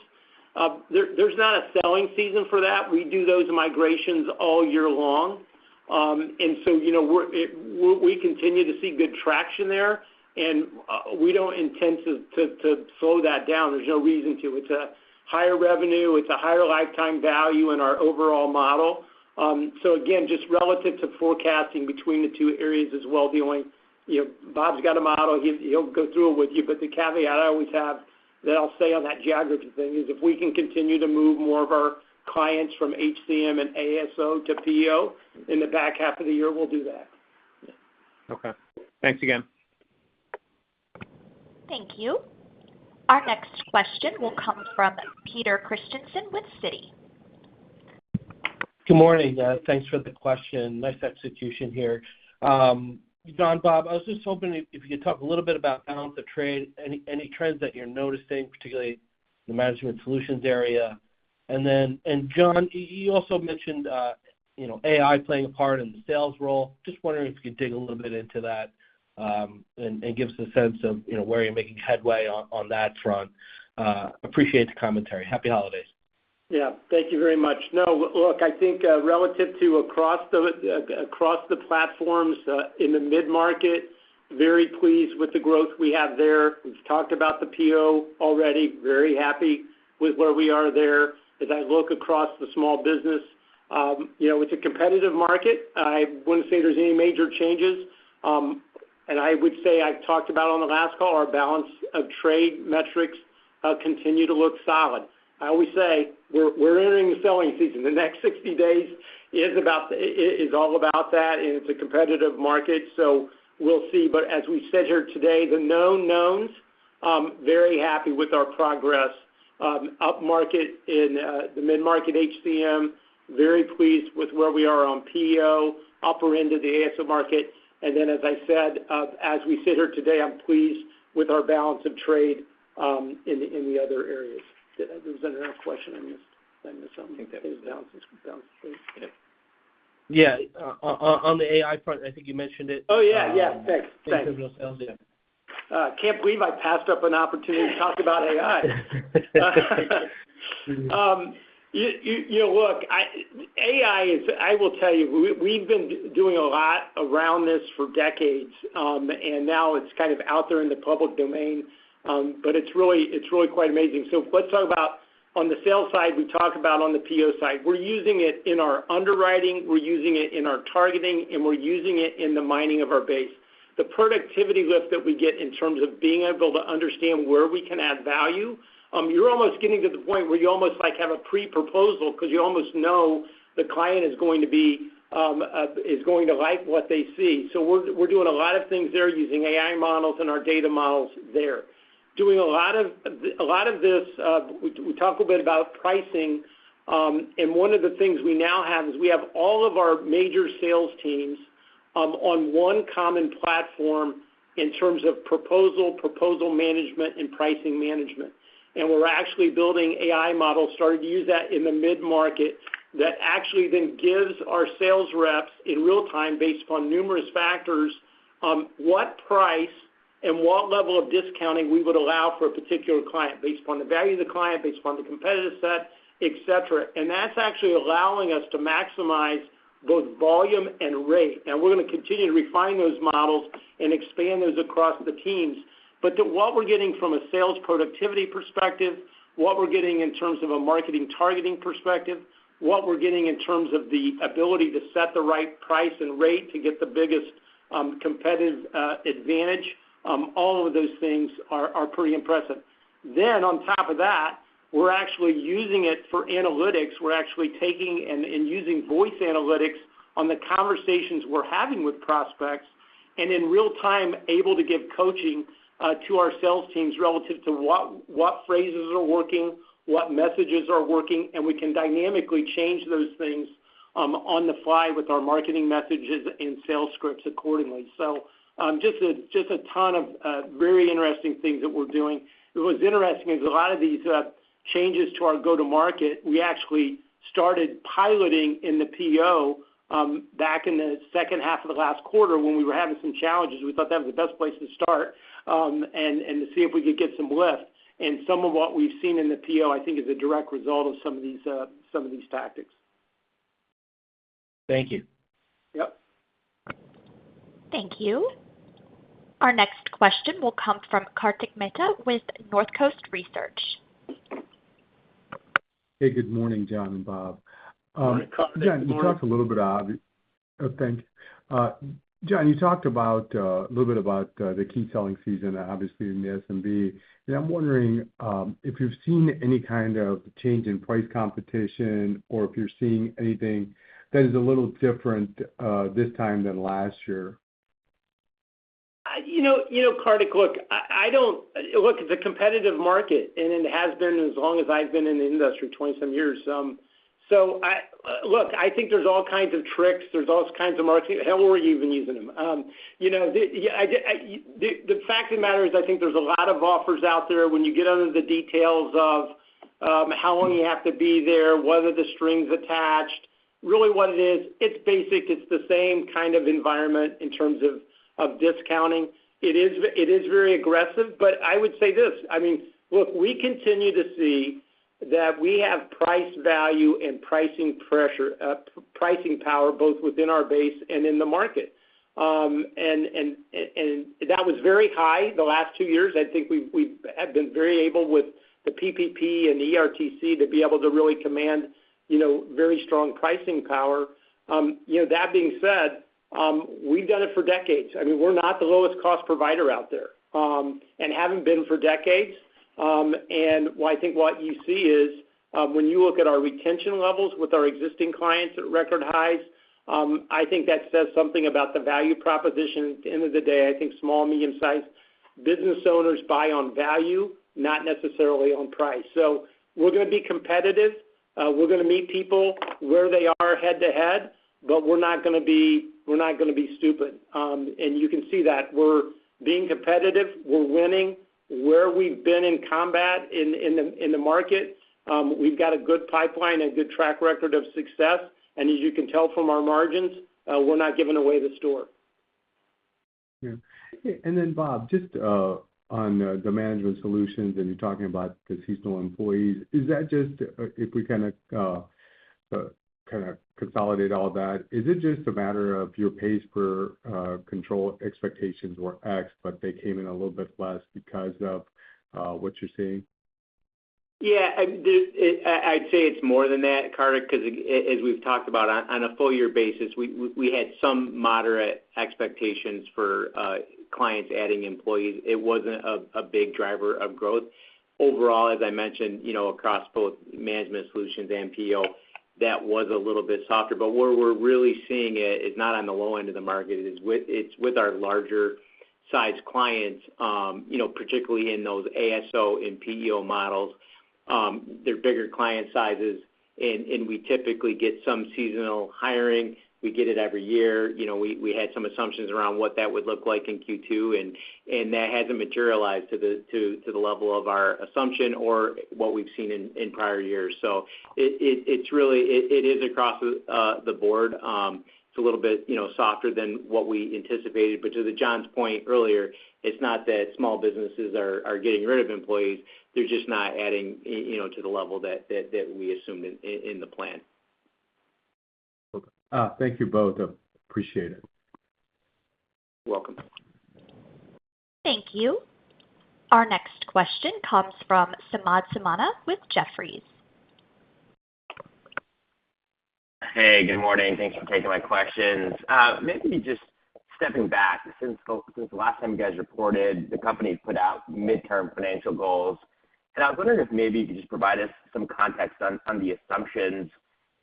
there, there's not a selling season for that. We do those migrations all year long. And so, you know, we continue to see good traction there, and we don't intend to slow that down. There's no reason to. It's a higher revenue, it's a higher lifetime value in our overall model. So again, just relative to forecasting between the two areas as well, dealing, you know, Bob's got a model, he'll go through it with you. But the caveat I always have that I'll say on that geography thing is, if we can continue to move more of our clients from HCM and ASO to PEO in the back half of the year, we'll do that. Okay. Thanks again. Thank you. Our next question will come from Peter Christiansen with Citi. Good morning, guys. Thanks for the question. Nice execution here. John, Bob, I was just hoping you could talk a little bit about balance of trade, any trends that you're noticing, particularly the Management solutions area. And then, John, you also mentioned, you know, AI playing a part in the sales role. Just wondering if you could dig a little bit into that, and give us a sense of, you know, where you're making headway on that front. Appreciate the commentary. Happy holidays. Yeah. Thank you very much. No, look, I think, relative to across the, across the platforms, in the mid-market, very pleased with the growth we have there. We've talked about the PEO already, very happy with where we are there. As I look across the small business, you know, it's a competitive market. I wouldn't say there's any major changes. And I would say, I've talked about on the last call, our balance of trade metrics, continue to look solid. I always say, we're entering the selling season. The next 60 days is all about that, and it's a competitive market, so we'll see. But as we said here today, the known knowns, very happy with our progress, upmarket in the mid-market HCM, very pleased with where we are on PEO, upper end of the ASO market. And then, as I said, as we sit here today, I'm pleased with our balance of trade in the other areas. Was there another question I missed? I missed something. I think that was balance. Balance, yeah. Yeah. On the AI front, I think you mentioned it. Oh, yeah, yeah. Thanks. Thanks. Yeah. Can't believe I passed up an opportunity to talk about AI. You know, look, AI is... I will tell you, we, we've been doing a lot around this for decades, and now it's kind of out there in the public domain, but it's really, it's really quite amazing. So let's talk about on the sales side, we talked about on the PEO side. We're using it in our underwriting, we're using it in our targeting, and we're using it in the mining of our base. The productivity lift that we get in terms of being able to understand where we can add value, you're almost getting to the point where you almost, like, have a pre-proposal, because you almost know the client is going to be, is going to like what they see. So we're doing a lot of things there using AI models and our data models there. Doing a lot of this, we talked a bit about pricing, and one of the things we now have is we have all of our major sales teams on one common platform in terms of proposal, proposal management, and pricing management. And we're actually building AI models, starting to use that in the mid-market, that actually then gives our sales reps, in real time, based upon numerous factors, what price and what level of discounting we would allow for a particular client based upon the value of the client, based upon the competitive set, et cetera. And that's actually allowing us to maximize both volume and rate. And we're gonna continue to refine those models and expand those across the teams. But to what we're getting from a sales productivity perspective, what we're getting in terms of a marketing targeting perspective, what we're getting in terms of the ability to set the right price and rate to get the biggest, competitive, advantage, all of those things are pretty impressive. Then on top of that, we're actually using it for analytics. We're actually taking and using voice analytics on the conversations we're having with prospects, and in real time, able to give coaching to our sales teams relative to what phrases are working, what messages are working, and we can dynamically change those things on the fly with our marketing messages and sales scripts accordingly. So, just a ton of very interesting things that we're doing. What was interesting is a lot of these changes to our go-to-market. We actually started piloting in the PEO back in the second half of the last quarter when we were having some challenges. We thought that was the best place to start and to see if we could get some lift. Some of what we've seen in the PEO, I think, is a direct result of some of these tactics. Thank you. Yep. Thank you. Our next question will come from Kartik Mehta with North Coast Research. Hey, good morning, John and Bob. Good morning, Kartik. Yeah, you talked a little bit about... Oh, thanks. John, you talked about a little bit about the key selling season, obviously, in the SMB. And I'm wondering if you've seen any kind of change in price competition or if you're seeing anything that is a little different this time than last year? You know, you know, Kartik, look, I don't. Look, it's a competitive market, and it has been as long as I've been in the industry, 20-some years. So I look, I think there's all kinds of tricks. There's all kinds of marketing, hell, we're even using them. You know, the, yeah, the fact of the matter is, I think there's a lot of offers out there. When you get under the details of how long you have to be there, whether there's strings attached, really what it is, it's basic, it's the same kind of environment in terms of discounting. It is, it is very aggressive, but I would say this: I mean, look, we continue to see that we have price value and pricing pressure, pricing power, both within our base and in the market. And that was very high the last two years. I think we have been very able with the PPP and ERTC to be able to really command, you know, very strong pricing power. You know, that being said, we've done it for decades. I mean, we're not the lowest cost provider out there, and haven't been for decades. Well, I think what you see is, when you look at our retention levels with our existing clients at record highs, I think that says something about the value proposition. At the end of the day, I think small, medium-sized business owners buy on value, not necessarily on price. So we're gonna be competitive. We're gonna meet people where they are head-to-head, but we're not gonna be stupid. You can see that we're being competitive. We're winning where we've been in combat in the market. We've got a good pipeline and a good track record of success. As you can tell from our margins, we're not giving away the store. Yeah. And then, Bob, just on the Management solutions, and you're talking about the seasonal employees, is that just... If we kind of, kind of consolidate all that, is it just a matter of your pays per control expectations were X, but they came in a little bit less because of what you're seeing? Yeah, I'd say it's more than that, Kartik, because as we've talked about on a full year basis, we had some moderate expectations for clients adding employees. It wasn't a big driver of growth. Overall, as I mentioned, you know, across both Management solutions and PEO, that was a little bit softer. But where we're really seeing it is not on the low end of the market, it is with—it's with our larger-sized clients, you know, particularly in those ASO and PEO models. They're bigger client sizes, and we typically get some seasonal hiring. We get it every year. You know, we had some assumptions around what that would look like in Q2, and that hasn't materialized to the level of our assumption or what we've seen in prior years. So it's really across the board. It's a little bit, you know, softer than what we anticipated. But to John's point earlier, it's not that small businesses are getting rid of employees, they're just not adding, you know, to the level that we assumed in the plan. Thank you both. I appreciate it. You're welcome. Thank you. Our next question comes from Samad Samana with Jefferies. Hey, good morning. Thanks for taking my questions. Maybe just stepping back, since the last time you guys reported, the company put out midterm financial goals. And I was wondering if maybe you could just provide us some context on the assumptions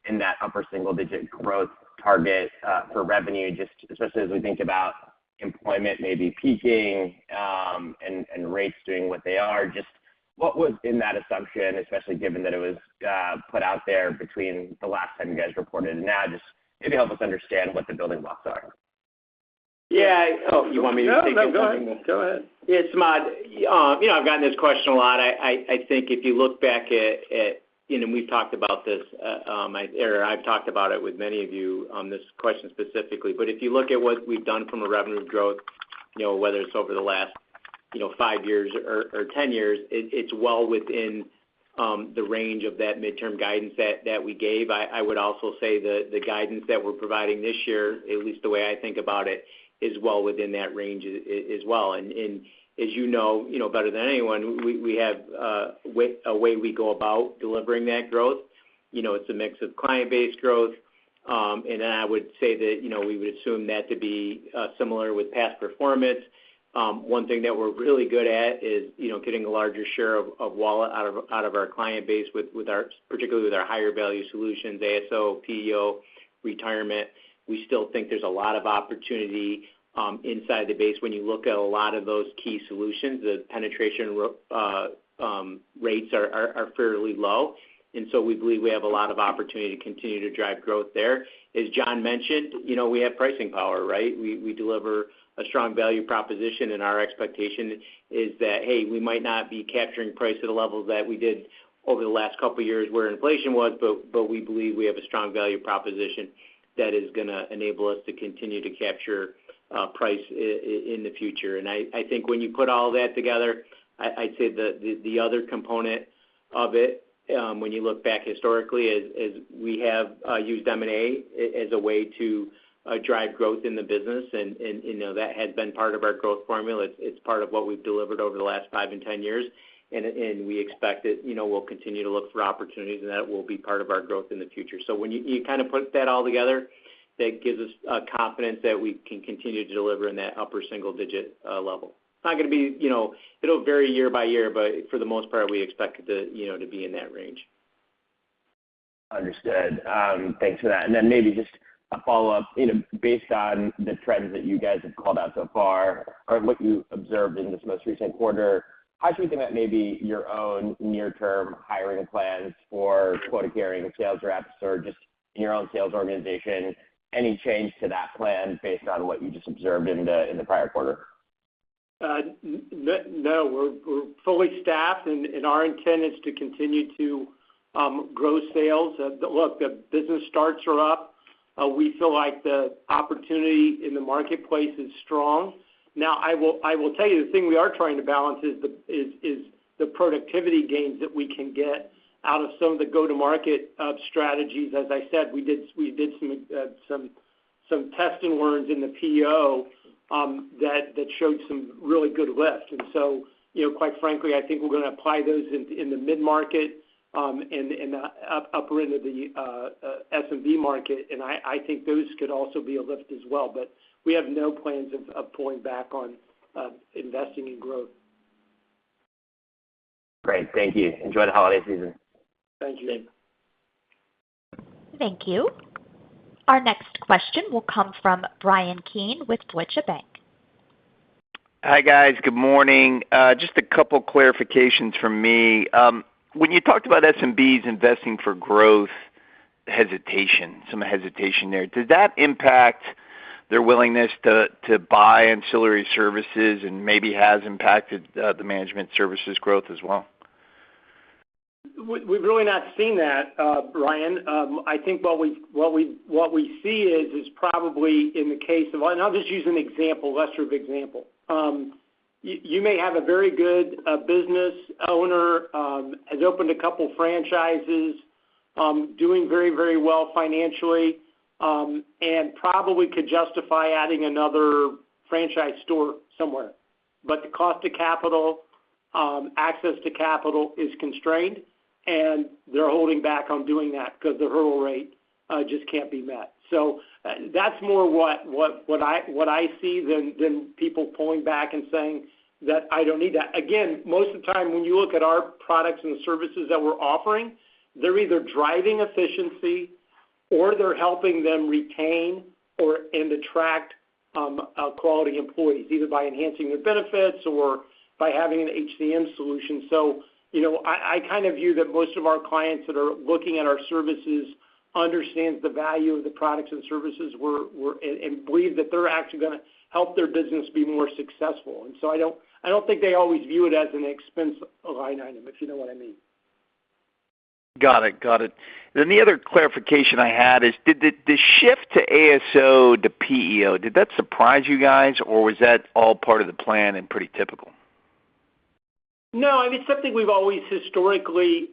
in that upper single-digit growth target for revenue, just especially as we think about employment may be peaking, and rates doing what they are. Just what was in that assumption, especially given that it was put out there between the last time you guys reported and now, just maybe help us understand what the building blocks are. Yeah. Oh, you want me to take it? No, go ahead. Go ahead. Yeah, Samad, you know, I've gotten this question a lot. I think if you look back at, you know, and we've talked about this, or I've talked about it with many of you on this question specifically. But if you look at what we've done from a revenue growth, you know, whether it's over the last, you know, 5 years or 10 years, it's well within the range of that midterm guidance that we gave. I would also say that the guidance that we're providing this year, at least the way I think about it, is well within that range as well. And as you know, you know, better than anyone, we have a way we go about delivering that growth. You know, it's a mix of client-based growth. And then I would say that, you know, we would assume that to be similar with past performance. One thing that we're really good at is, you know, getting a larger share of wallet out of our client base with our, particularly with our higher value solutions, ASO, PEO, retirement. We still think there's a lot of opportunity inside the base. When you look at a lot of those key solutions, the penetration rates are fairly low, and so we believe we have a lot of opportunity to continue to drive growth there. As John mentioned, you know, we have pricing power, right? We deliver a strong value proposition, and our expectation is that, hey, we might not be capturing price at a level that we did over the last couple of years where inflation was, but we believe we have a strong value proposition that is gonna enable us to continue to capture price in the future. I think when you put all that together, I'd say the other component of it, when you look back historically, is we have used M&A as a way to drive growth in the business, and, you know, that has been part of our growth formula. It's part of what we've delivered over the last 5 and 10 years, and we expect that, you know, we'll continue to look for opportunities, and that will be part of our growth in the future. So when you kind of put that all together, that gives us confidence that we can continue to deliver in that upper single-digit level. It's not gonna be, you know, it'll vary year by year, but for the most part, we expect it to, you know, to be in that range. Understood. Thanks for that. And then maybe just a follow-up. You know, based on the trends that you guys have called out so far or what you observed in this most recent quarter, how do you think that maybe your own near-term hiring plans for quota-carrying sales reps or just in your own sales organization, any change to that plan based on what you just observed in the prior quarter? No, we're fully staffed, and our intent is to continue to grow sales. Look, the business starts are up. We feel like the opportunity in the marketplace is strong. Now, I will tell you, the thing we are trying to balance is the productivity gains that we can get out of some of the go-to-market strategies. As I said, we did some test-and-learns in the PEO that showed some really good lift. And so, you know, quite frankly, I think we're gonna apply those in the mid-market and in the upper end of the SMB market, and I think those could also be a lift as well. But we have no plans of pulling back on investing in growth. Great. Thank you. Enjoy the holiday season. Thank you, David. Thank you. Our next question will come from Brian Keane with Deutsche Bank. Hi, guys. Good morning. Just a couple clarifications from me. When you talked about SMBs investing for growth hesitation, some hesitation there, does that impact their willingness to buy ancillary services and maybe has impacted the management services growth as well? We've really not seen that, Bryan. I think what we see is probably in the case of... And I'll just use an example, illustrative example. You may have a very good business owner who has opened a couple franchises, doing very, very well financially, and probably could justify adding another franchise store somewhere. But the cost to capital, access to capital is constrained, and they're holding back on doing that because the hurdle rate just can't be met. So that's more what I see than people pulling back and saying that I don't need that. Again, most of the time, when you look at our products and services that we're offering, they're either driving efficiency or they're helping them retain or, and attract, quality employees, either by enhancing their benefits or by having an HCM solution. So you know, I, I kind of view that most of our clients that are looking at our services understand the value of the products and services we're offering and believe that they're actually gonna help their business be more successful. And so I don't, I don't think they always view it as an expense line item, if you know what I mean. Got it. Got it. Then the other clarification I had is, did the, the shift to ASO, to PEO, did that surprise you guys, or was that all part of the plan and pretty typical? No, I mean, it's something we've always historically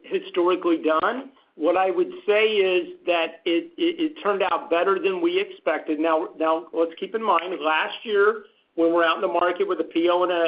done. What I would say is that it turned out better than we expected. Now, let's keep in mind, last year, when we're out in the market with a PEO and a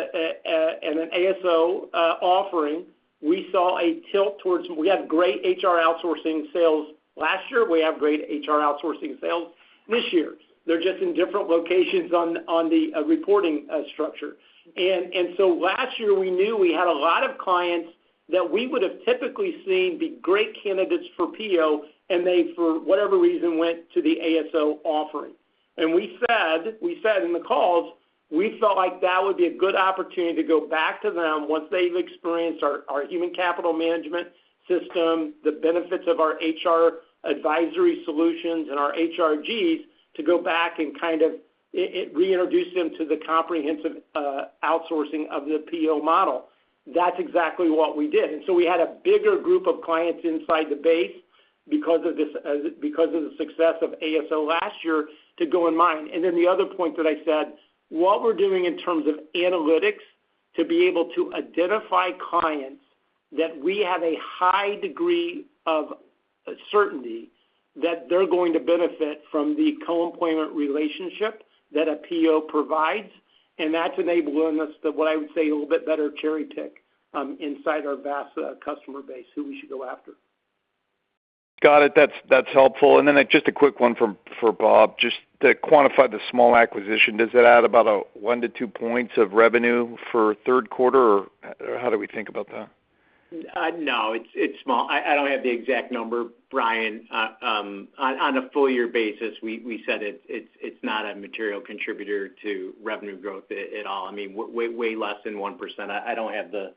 and an ASO offering, we saw a tilt towards it. We had great HR outsourcing sales last year. We have great HR outsourcing sales this year. They're just in different locations on the reporting structure. And so last year, we knew we had a lot of clients that we would have typically seen be great candidates for PEO, and they, for whatever reason, went to the ASO offering. And we said, we said in the calls, we felt like that would be a good opportunity to go back to them once they've experienced our human capital management system, the benefits of our HR advisory solutions and our HRGs, to go back and kind of reintroduce them to the comprehensive outsourcing of the PEO model. That's exactly what we did. And so we had a bigger group of clients inside the base because of this, because of the success of ASO last year to go and mine. And then the other point that I said, what we're doing in terms of analytics, to be able to identify clients that we have a high degree of certainty that they're going to benefit from the co-employment relationship that a PEO provides, and that's enabling us to, what I would say, a little bit better cherry-pick, inside our vast customer base, who we should go after. Got it. That's, that's helpful. And then just a quick one from—for Bob, just to quantify the small acquisition, does it add about a 1-2 points of revenue for third quarter, or how do we think about that? No, it's small. I don't have the exact number, Brian. On a full year basis, we said it's not a material contributor to revenue growth at all. I mean, way less than 1%. I don't have the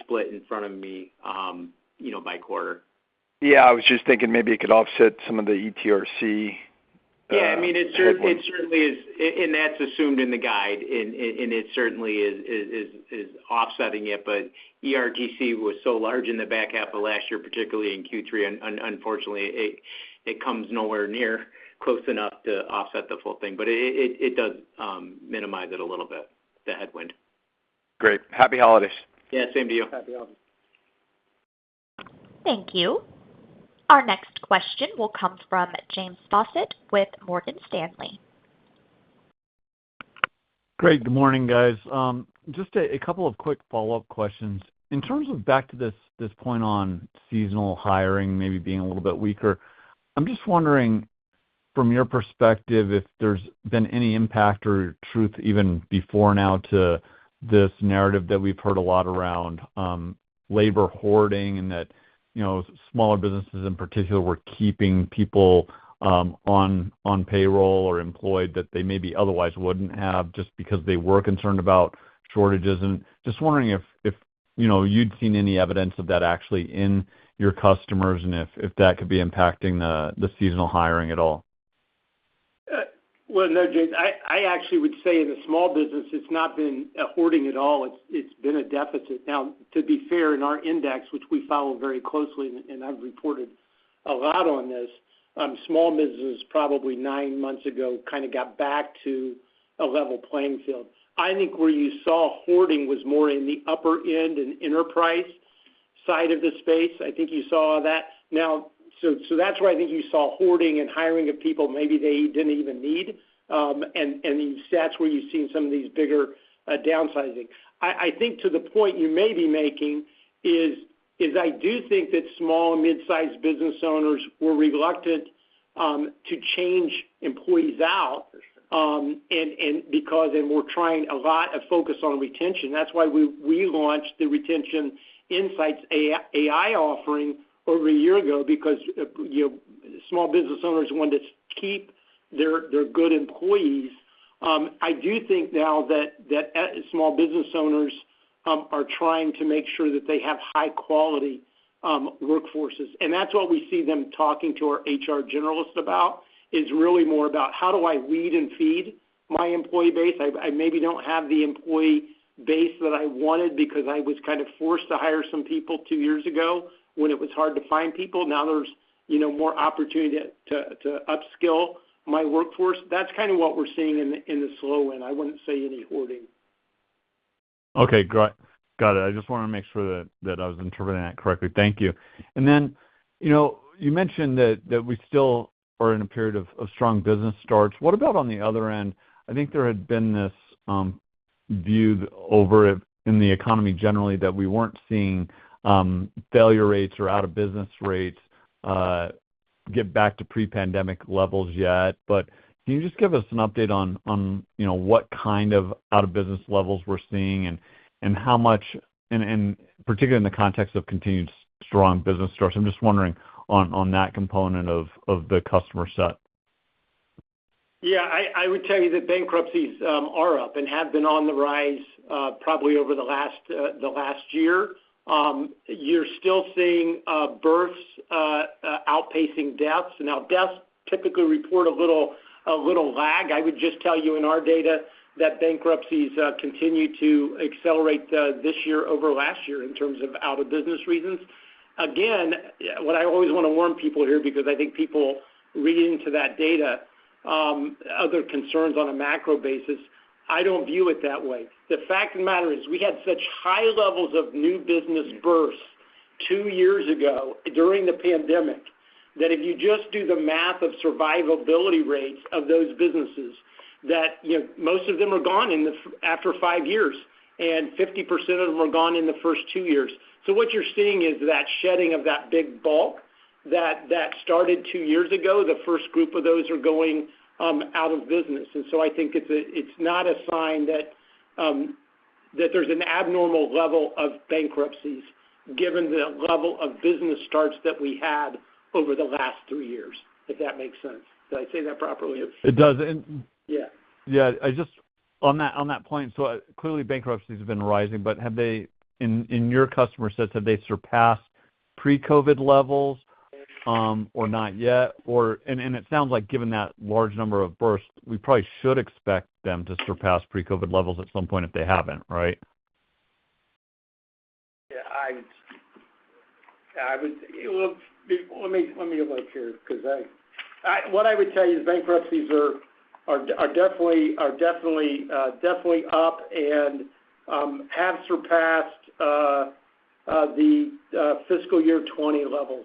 split in front of me, you know, by quarter. Yeah, I was just thinking maybe it could offset some of the ERTC. Yeah, I mean, it certainly is, and that's assumed in the guide, and it certainly is offsetting it. But ERTC was so large in the back half of last year, particularly in Q3, and unfortunately, it comes nowhere near close enough to offset the full thing, but it does minimize it a little bit, the headwind. Great. Happy holidays! Yeah, same to you. Happy holidays. Thank you. Our next question will come from James Faucette with Morgan Stanley. Great. Good morning, guys. Just a couple of quick follow-up questions. In terms of back to this point on seasonal hiring maybe being a little bit weaker, I'm just wondering, from your perspective, if there's been any impact or truth even before now to this narrative that we've heard a lot around labor hoarding and that, you know, smaller businesses, in particular, were keeping people on payroll or employed that they maybe otherwise wouldn't have just because they were concerned about shortages. And just wondering if, you know, you'd seen any evidence of that actually in your customers, and if that could be impacting the seasonal hiring at all? Well, no, James, I, I actually would say in the small business, it's not been a hoarding at all. It's, it's been a deficit. Now, to be fair, in our index, which we follow very closely, and, and I've reported a lot on this, small business, probably nine months ago, kinda got back to a level playing field. I think where you saw hoarding was more in the upper end and enterprise side of the space. I think you saw that. Now, so, so that's why I think you saw hoarding and hiring of people maybe they didn't even need, and, and the stats where you've seen some of these bigger, downsizing. I think to the point you may be making is I do think that small and mid-sized business owners were reluctant to change employees out, and because they were trying a lot of focus on retention. That's why we launched the Retention Insights AI offering over a year ago, because you know, small business owners wanted to keep their good employees. I do think now that small business owners are trying to make sure that they have high quality workforces, and that's what we see them talking to our HR generalists about, is really more about: how do I weed and feed my employee base? I maybe don't have the employee base that I wanted because I was kind of forced to hire some people two years ago when it was hard to find people. Now there's, you know, more opportunity to upskill my workforce. That's kind of what we're seeing in the slow end. I wouldn't say any hoarding. Okay, got it. I just wanted to make sure that I was interpreting that correctly. Thank you. And then, you know, you mentioned that we still are in a period of strong business starts. What about on the other end? I think there had been this view over in the economy generally, that we weren't seeing failure rates or out of business rates get back to pre-pandemic levels yet. But can you just give us an update on, you know, what kind of out of business levels we're seeing and how much... and particularly in the context of continued strong business starts? I'm just wondering on that component of the customer set. Yeah, I would tell you that bankruptcies are up and have been on the rise, probably over the last year. You're still seeing births outpacing deaths. Now, deaths typically report a little lag. I would just tell you in our data that bankruptcies continue to accelerate this year over last year in terms of out of business reasons. Again, what I always want to warn people here, because I think people read into that data other concerns on a macro basis, I don't view it that way. The fact of the matter is, we had such high levels of new business births 2 years ago during the pandemic, that if you just do the math of survivability rates of those businesses, that, you know, most of them are gone in the f- after 5 years, and 50% of them are gone in the first 2 years. So what you're seeing is that shedding of that big bulk... that, that started 2 years ago, the first group of those are going out of business. And so I think it's- it's not a sign that that there's an abnormal level of bankruptcies, given the level of business starts that we had over the last 3 years, if that makes sense. Did I say that properly? It does. Yeah. Yeah. I just, on that, on that point, so clearly, bankruptcies have been rising, but have they, in, in your customer sets, have they surpassed pre-COVID levels, or not yet? Or, and, and it sounds like given that large number of bursts, we probably should expect them to surpass pre-COVID levels at some point if they haven't, right? Yeah, I'd—I would—well, let me, let me look here, because I—what I would tell you is bankruptcies are definitely up and have surpassed the fiscal year 2020 levels,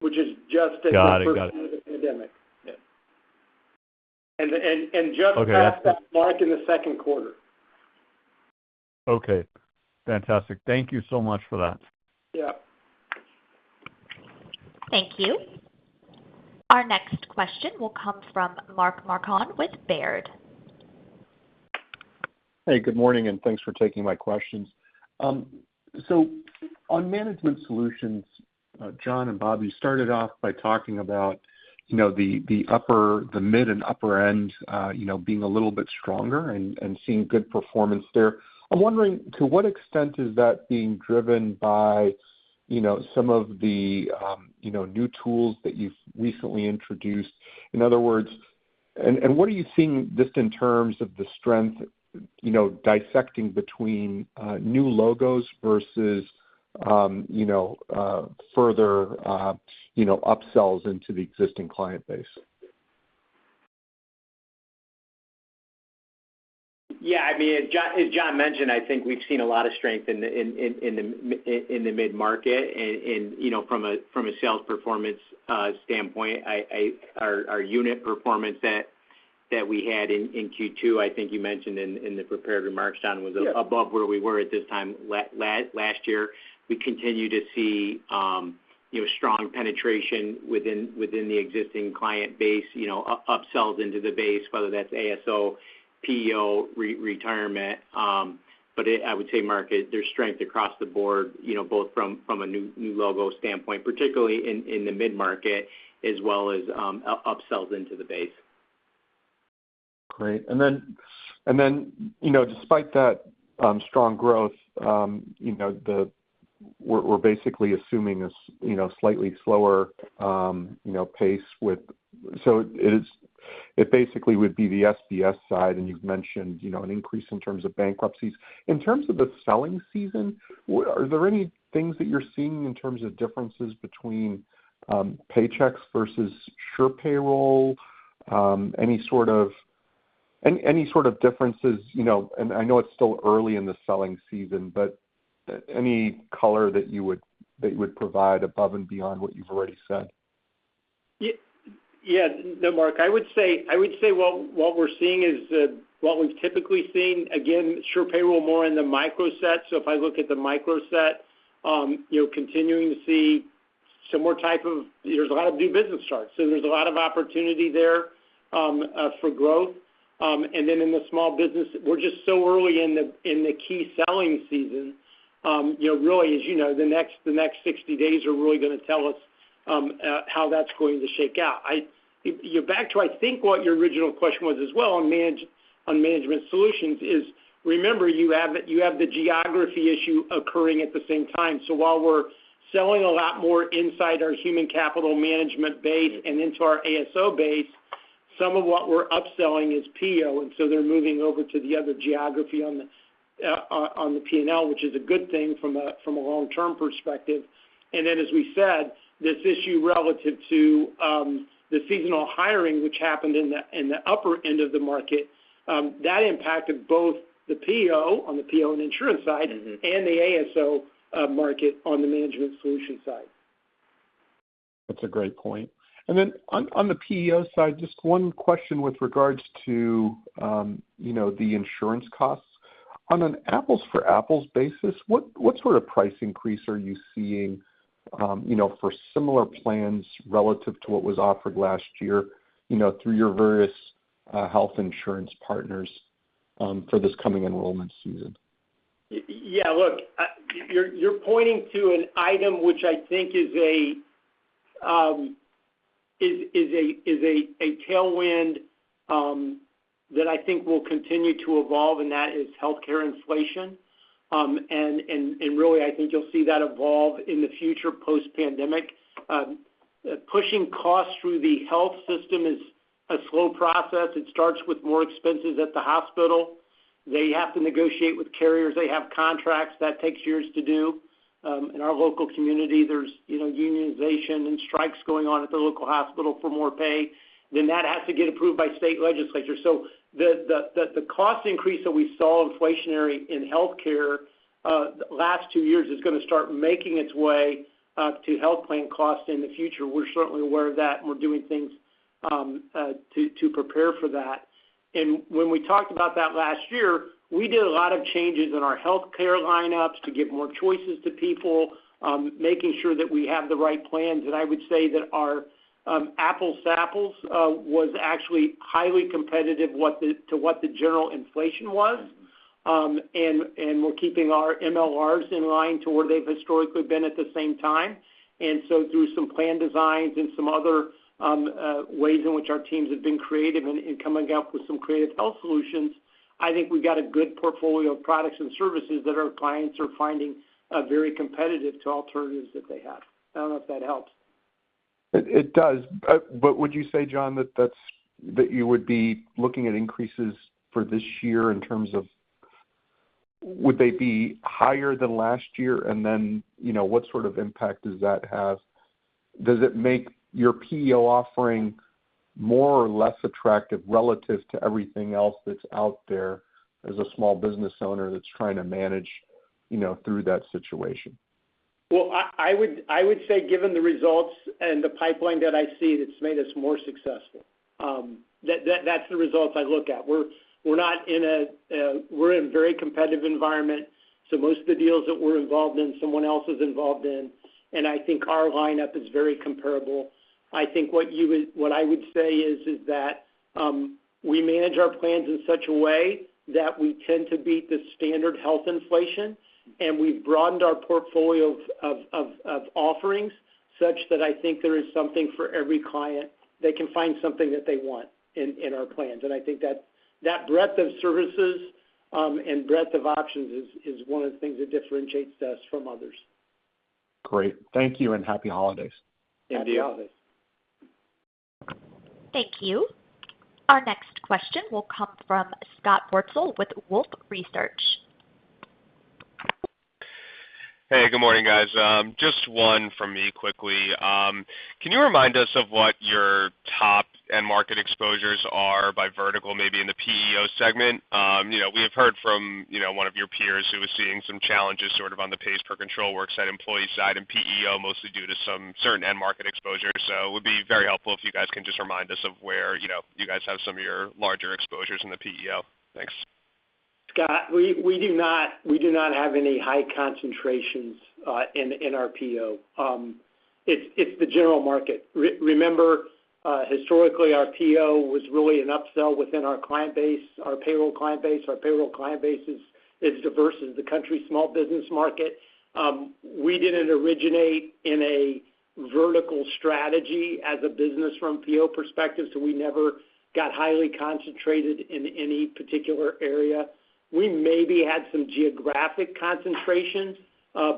which is just- Got it. Got it. The first end of the pandemic. Yeah. And just- Okay... passed that mark in the second quarter. Okay, fantastic. Thank you so much for that. Yeah. Thank you. Our next question will come from Mark Marcon with Baird. Hey, good morning, and thanks for taking my questions. So on Management solutions, John and Bobby started off by talking about, you know, the upper, the mid and upper end, you know, being a little bit stronger and seeing good performance there. I'm wondering, to what extent is that being driven by, you know, some of the new tools that you've recently introduced? In other words, and what are you seeing just in terms of the strength, you know, dissecting between new logos versus, you know, upsells into the existing client base? Yeah, I mean, as John mentioned, I think we've seen a lot of strength in the mid-market. You know, from a sales performance standpoint, our unit performance that we had in Q2, I think you mentioned in the prepared remarks, John, was- Yes above where we were at this time last year. We continue to see, you know, strong penetration within the existing client base, you know, upsells into the base, whether that's ASO, PEO, retirement. But it, I would say, Mark, there's strength across the board, you know, both from a new logo standpoint, particularly in the mid-market, as well as upsells into the base. Great. And then, you know, despite that strong growth, you know, the... We're basically assuming this, you know, slightly slower pace with so it is, it basically would be the SMB side, and you've mentioned, you know, an increase in terms of bankruptcies. In terms of the selling season, are there any things that you're seeing in terms of differences between Paychex versus SurePayroll? Any sort of differences, you know, and I know it's still early in the selling season, but any color that you would provide above and beyond what you've already said? Yeah. No, Mark, I would say, I would say, well, what we're seeing is what we've typically seen, again, SurePayroll, more in the micro set. So if I look at the micro set, you know, continuing to see similar type of... There's a lot of new business starts, so there's a lot of opportunity there for growth. And then in the small business, we're just so early in the key selling season, you know, really, as you know, the next, the next 60 days are really going to tell us how that's going to shake out. Yeah, back to, I think, what your original question was as well on management, on Management solutions is, remember, you have the geography issue occurring at the same time. So while we're selling a lot more inside our human capital management base and into our ASO base, some of what we're upselling is PEO, and so they're moving over to the other geography on the P&L, which is a good thing from a long-term perspective. And then, as we said, this issue relative to the seasonal hiring, which happened in the upper end of the market, that impacted both the PEO and insurance side- Mm-hmm... and the ASO market on the management solution side. That's a great point. And then on the PEO side, just one question with regards to, you know, the insurance costs. On an apples-to-apples basis, what sort of price increase are you seeing, you know, for similar plans relative to what was offered last year, you know, through your various health insurance partners, for this coming enrollment season? Yeah, look, you're pointing to an item which I think is a tailwind that I think will continue to evolve, and that is healthcare inflation. And really, I think you'll see that evolve in the future post-pandemic. Pushing costs through the health system is a slow process. It starts with more expenses at the hospital. They have to negotiate with carriers. They have contracts that takes years to do. In our local community, there's, you know, unionization and strikes going on at the local hospital for more pay. Then that has to get approved by state legislature. So the cost increase that we saw inflationary in healthcare last two years is going to start making its way to health plan costs in the future. We're certainly aware of that, and we're doing to prepare for that. And when we talked about that last year, we did a lot of changes in our healthcare lineups to give more choices to people, making sure that we have the right plans. And I would say that our apples to apples was actually highly competitive to what the general inflation was. And we're keeping our MLRs in line to where they've historically been at the same time. And so through some plan designs and some other ways in which our teams have been creative in coming up with some creative health solutions, I think we've got a good portfolio of products and services that our clients are finding very competitive to alternatives that they have. I don't know if that helps. It does. But would you say, John, that that's—that you would be looking at increases for this year in terms of... Would they be higher than last year? And then, you know, what sort of impact does that have? Does it make your PEO offering more or less attractive relative to everything else that's out there as a small business owner that's trying to manage, you know, through that situation? Well, I would say, given the results and the pipeline that I see, it's made us more successful. That's the results I look at. We're in a very competitive environment, so most of the deals that we're involved in, someone else is involved in, and I think our lineup is very comparable. I think what I would say is that we manage our plans in such a way that we tend to beat the standard health inflation, and we've broadened our portfolio of offerings such that I think there is something for every client. They can find something that they want in our plans. And I think that breadth of services and breadth of options is one of the things that differentiates us from others. Great. Thank you, and happy holidays. And to you. Thank you. Our next question will come from Scott Wurtzel with Wolfe Research. Hey, good morning, guys. Just one from me quickly. Can you remind us of what your top end market exposures are by vertical, maybe in the PEO segment? You know, we have heard from, you know, one of your peers who was seeing some challenges sort of on the pace per control worksite, employee side and PEO, mostly due to some certain end-market exposure. So it would be very helpful if you guys can just remind us of where, you know, you guys have some of your larger exposures in the PEO. Thanks. Scott, we do not have any high concentrations in our PEO. It's the general market. Remember, historically, our PEO was really an upsell within our client base, our payroll client base. Our payroll client base is diverse as the country's small business market. We didn't originate in a vertical strategy as a business from PEO perspective, so we never got highly concentrated in any particular area. We maybe had some geographic concentrations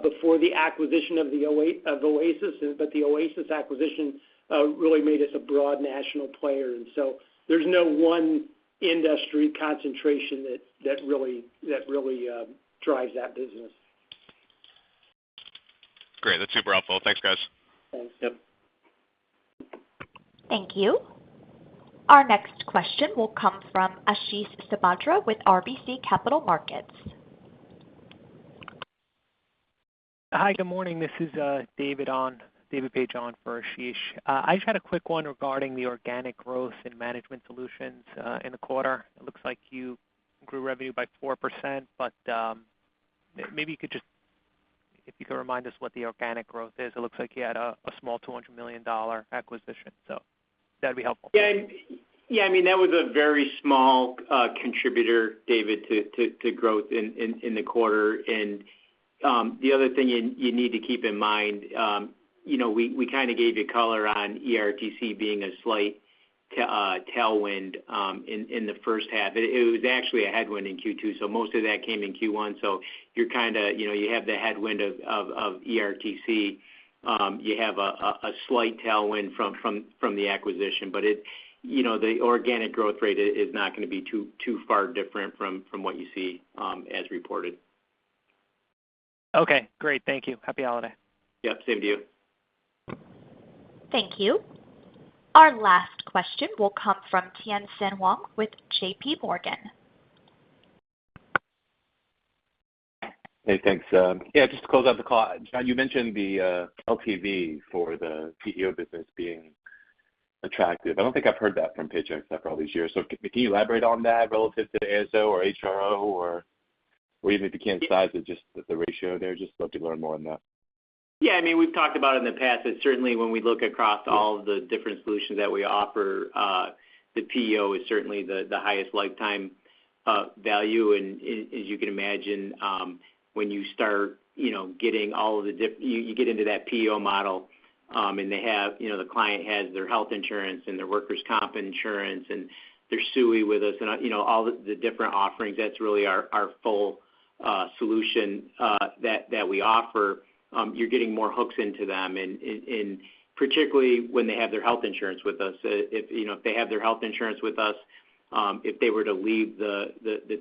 before the acquisition of Oasis, but the Oasis acquisition really made us a broad national player, and so there's no one industry concentration that really drives that business. Great. That's super helpful. Thanks, guys. Thanks, yep. Thank you. Our next question will come from Ashish Sabadra with RBC Capital Markets. Hi, good morning. This is David Page on for Ashish. I just had a quick one regarding the organic growth in Management solutions, in the quarter. It looks like you grew revenue by 4%, but, maybe you could just- if you could remind us what the organic growth is. It looks like you had a small $200 million acquisition, so that'd be helpful. Yeah. Yeah, I mean, that was a very small contributor, David, to growth in the quarter. The other thing you need to keep in mind, you know, we kind of gave you color on ERTC being a slight tailwind in the first half. It was actually a headwind in Q2, so most of that came in Q1. So you're kind of, you know, you have the headwind of ERTC, you have a slight tailwind from the acquisition, but you know, the organic growth rate is not going to be too far different from what you see as reported. Okay, great. Thank you. Happy holiday. Yep, same to you. Thank you. Our last question will come from Tien-Tsin Huang with J.P. Morgan. Hey, thanks. Yeah, just to close out the call, John, you mentioned the LTV for the PEO business being attractive. I don't think I've heard that from Paychex after all these years. So can you elaborate on that relative to the ASO or HRO, or even if you can't size it, just the ratio there? Just love to learn more on that. Yeah, I mean, we've talked about in the past that certainly when we look across all the different solutions that we offer, the PEO is certainly the highest lifetime value. And as you can imagine, when you start, you know, getting all of the, you get into that PEO model, and they have, you know, the client has their health insurance and their workers' comp insurance, and they're SUI with us, and, you know, all the different offerings, that's really our full solution that we offer. You're getting more hooks into them, and particularly when they have their health insurance with us. If, you know, if they have their health insurance with us, if they were to leave the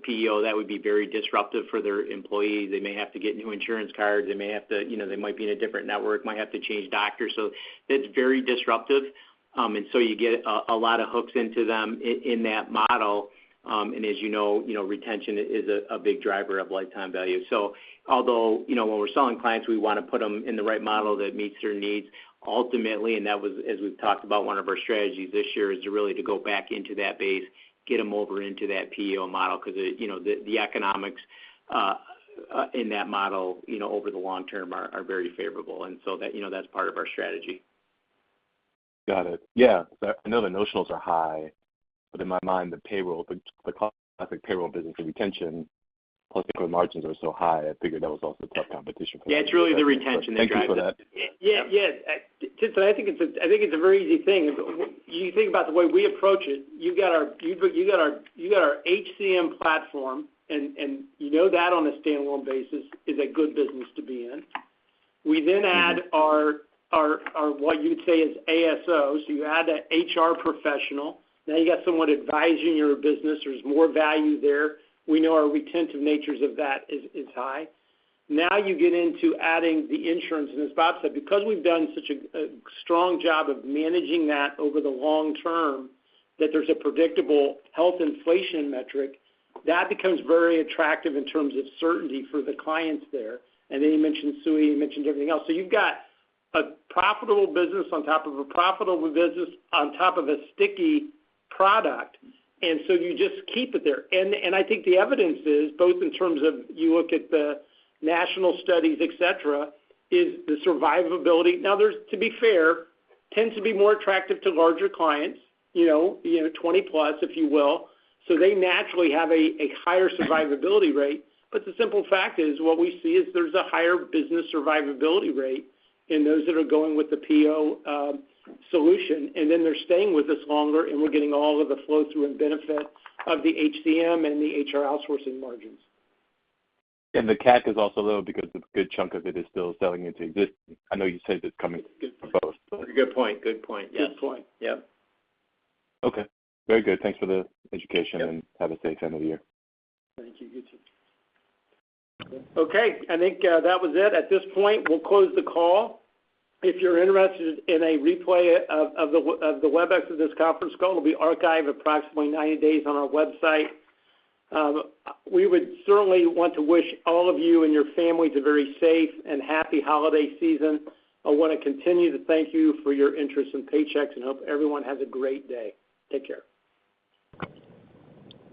PEO, that would be very disruptive for their employees. They may have to get new insurance cards, they may have to, you know, they might be in a different network, might have to change doctors. So it's very disruptive, and so you get a lot of hooks into them in that model. And as you know, retention is a big driver of lifetime value. So although, you know, when we're selling clients, we want to put them in the right model that meets their needs. Ultimately, and that was, as we've talked about, one of our strategies this year, is to really go back into that base, get them over into that PEO model, because, you know, the economics in that model, you know, over the long term are very favorable, and so that, you know, that's part of our strategy. Got it. Yeah, I know the notionals are high, but in my mind, the payroll, the classic payroll business, the retention, plus the margins are so high, I figured that was also tough competition. Yeah, it's really the retention that drives it. Thank you for that. Yeah, yeah. Tien-Tsin, I think it's a very easy thing. You think about the way we approach it, you've got our HCM platform, and you know that on a standalone basis is a good business to be in. We then add our ASO, so you add that HR professional. Now you got someone advising your business, there's more value there. We know our retentive natures of that is high. Now, you get into adding the insurance, and as Bob said, because we've done such a strong job of managing that over the long term, that there's a predictable health inflation metric, that becomes very attractive in terms of certainty for the clients there. And then you mentioned SUI, you mentioned everything else. So you've got a profitable business on top of a profitable business, on top of a sticky product, and so you just keep it there. And I think the evidence is, both in terms of you look at the national studies, et cetera, is the survivability. Now, there's, to be fair, tends to be more attractive to larger clients, you know, 20+, if you will, so they naturally have a higher survivability rate. But the simple fact is, what we see is there's a higher business survivability rate in those that are going with the PEO solution, and then they're staying with us longer, and we're getting all of the flow-through and benefit of the HCM and the HR outsourcing margins. The CAC is also low because a good chunk of it is still selling into existing. I know you said it's coming from both. Good point. Good point, yes. Good point, yep. Okay, very good. Thanks for the education, and have a safe end of the year. Thank you. You too. Okay, I think that was it. At this point, we'll close the call. If you're interested in a replay of the WebEx of this conference call, it'll be archived approximately 90 days on our website. We would certainly want to wish all of you and your families a very safe and happy holiday season. I want to continue to thank you for your interest in Paychex, and hope everyone has a great day. Take care.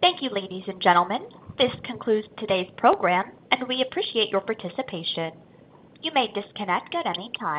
Thank you, ladies and gentlemen. This concludes today's program, and we appreciate your participation. You may disconnect at any time.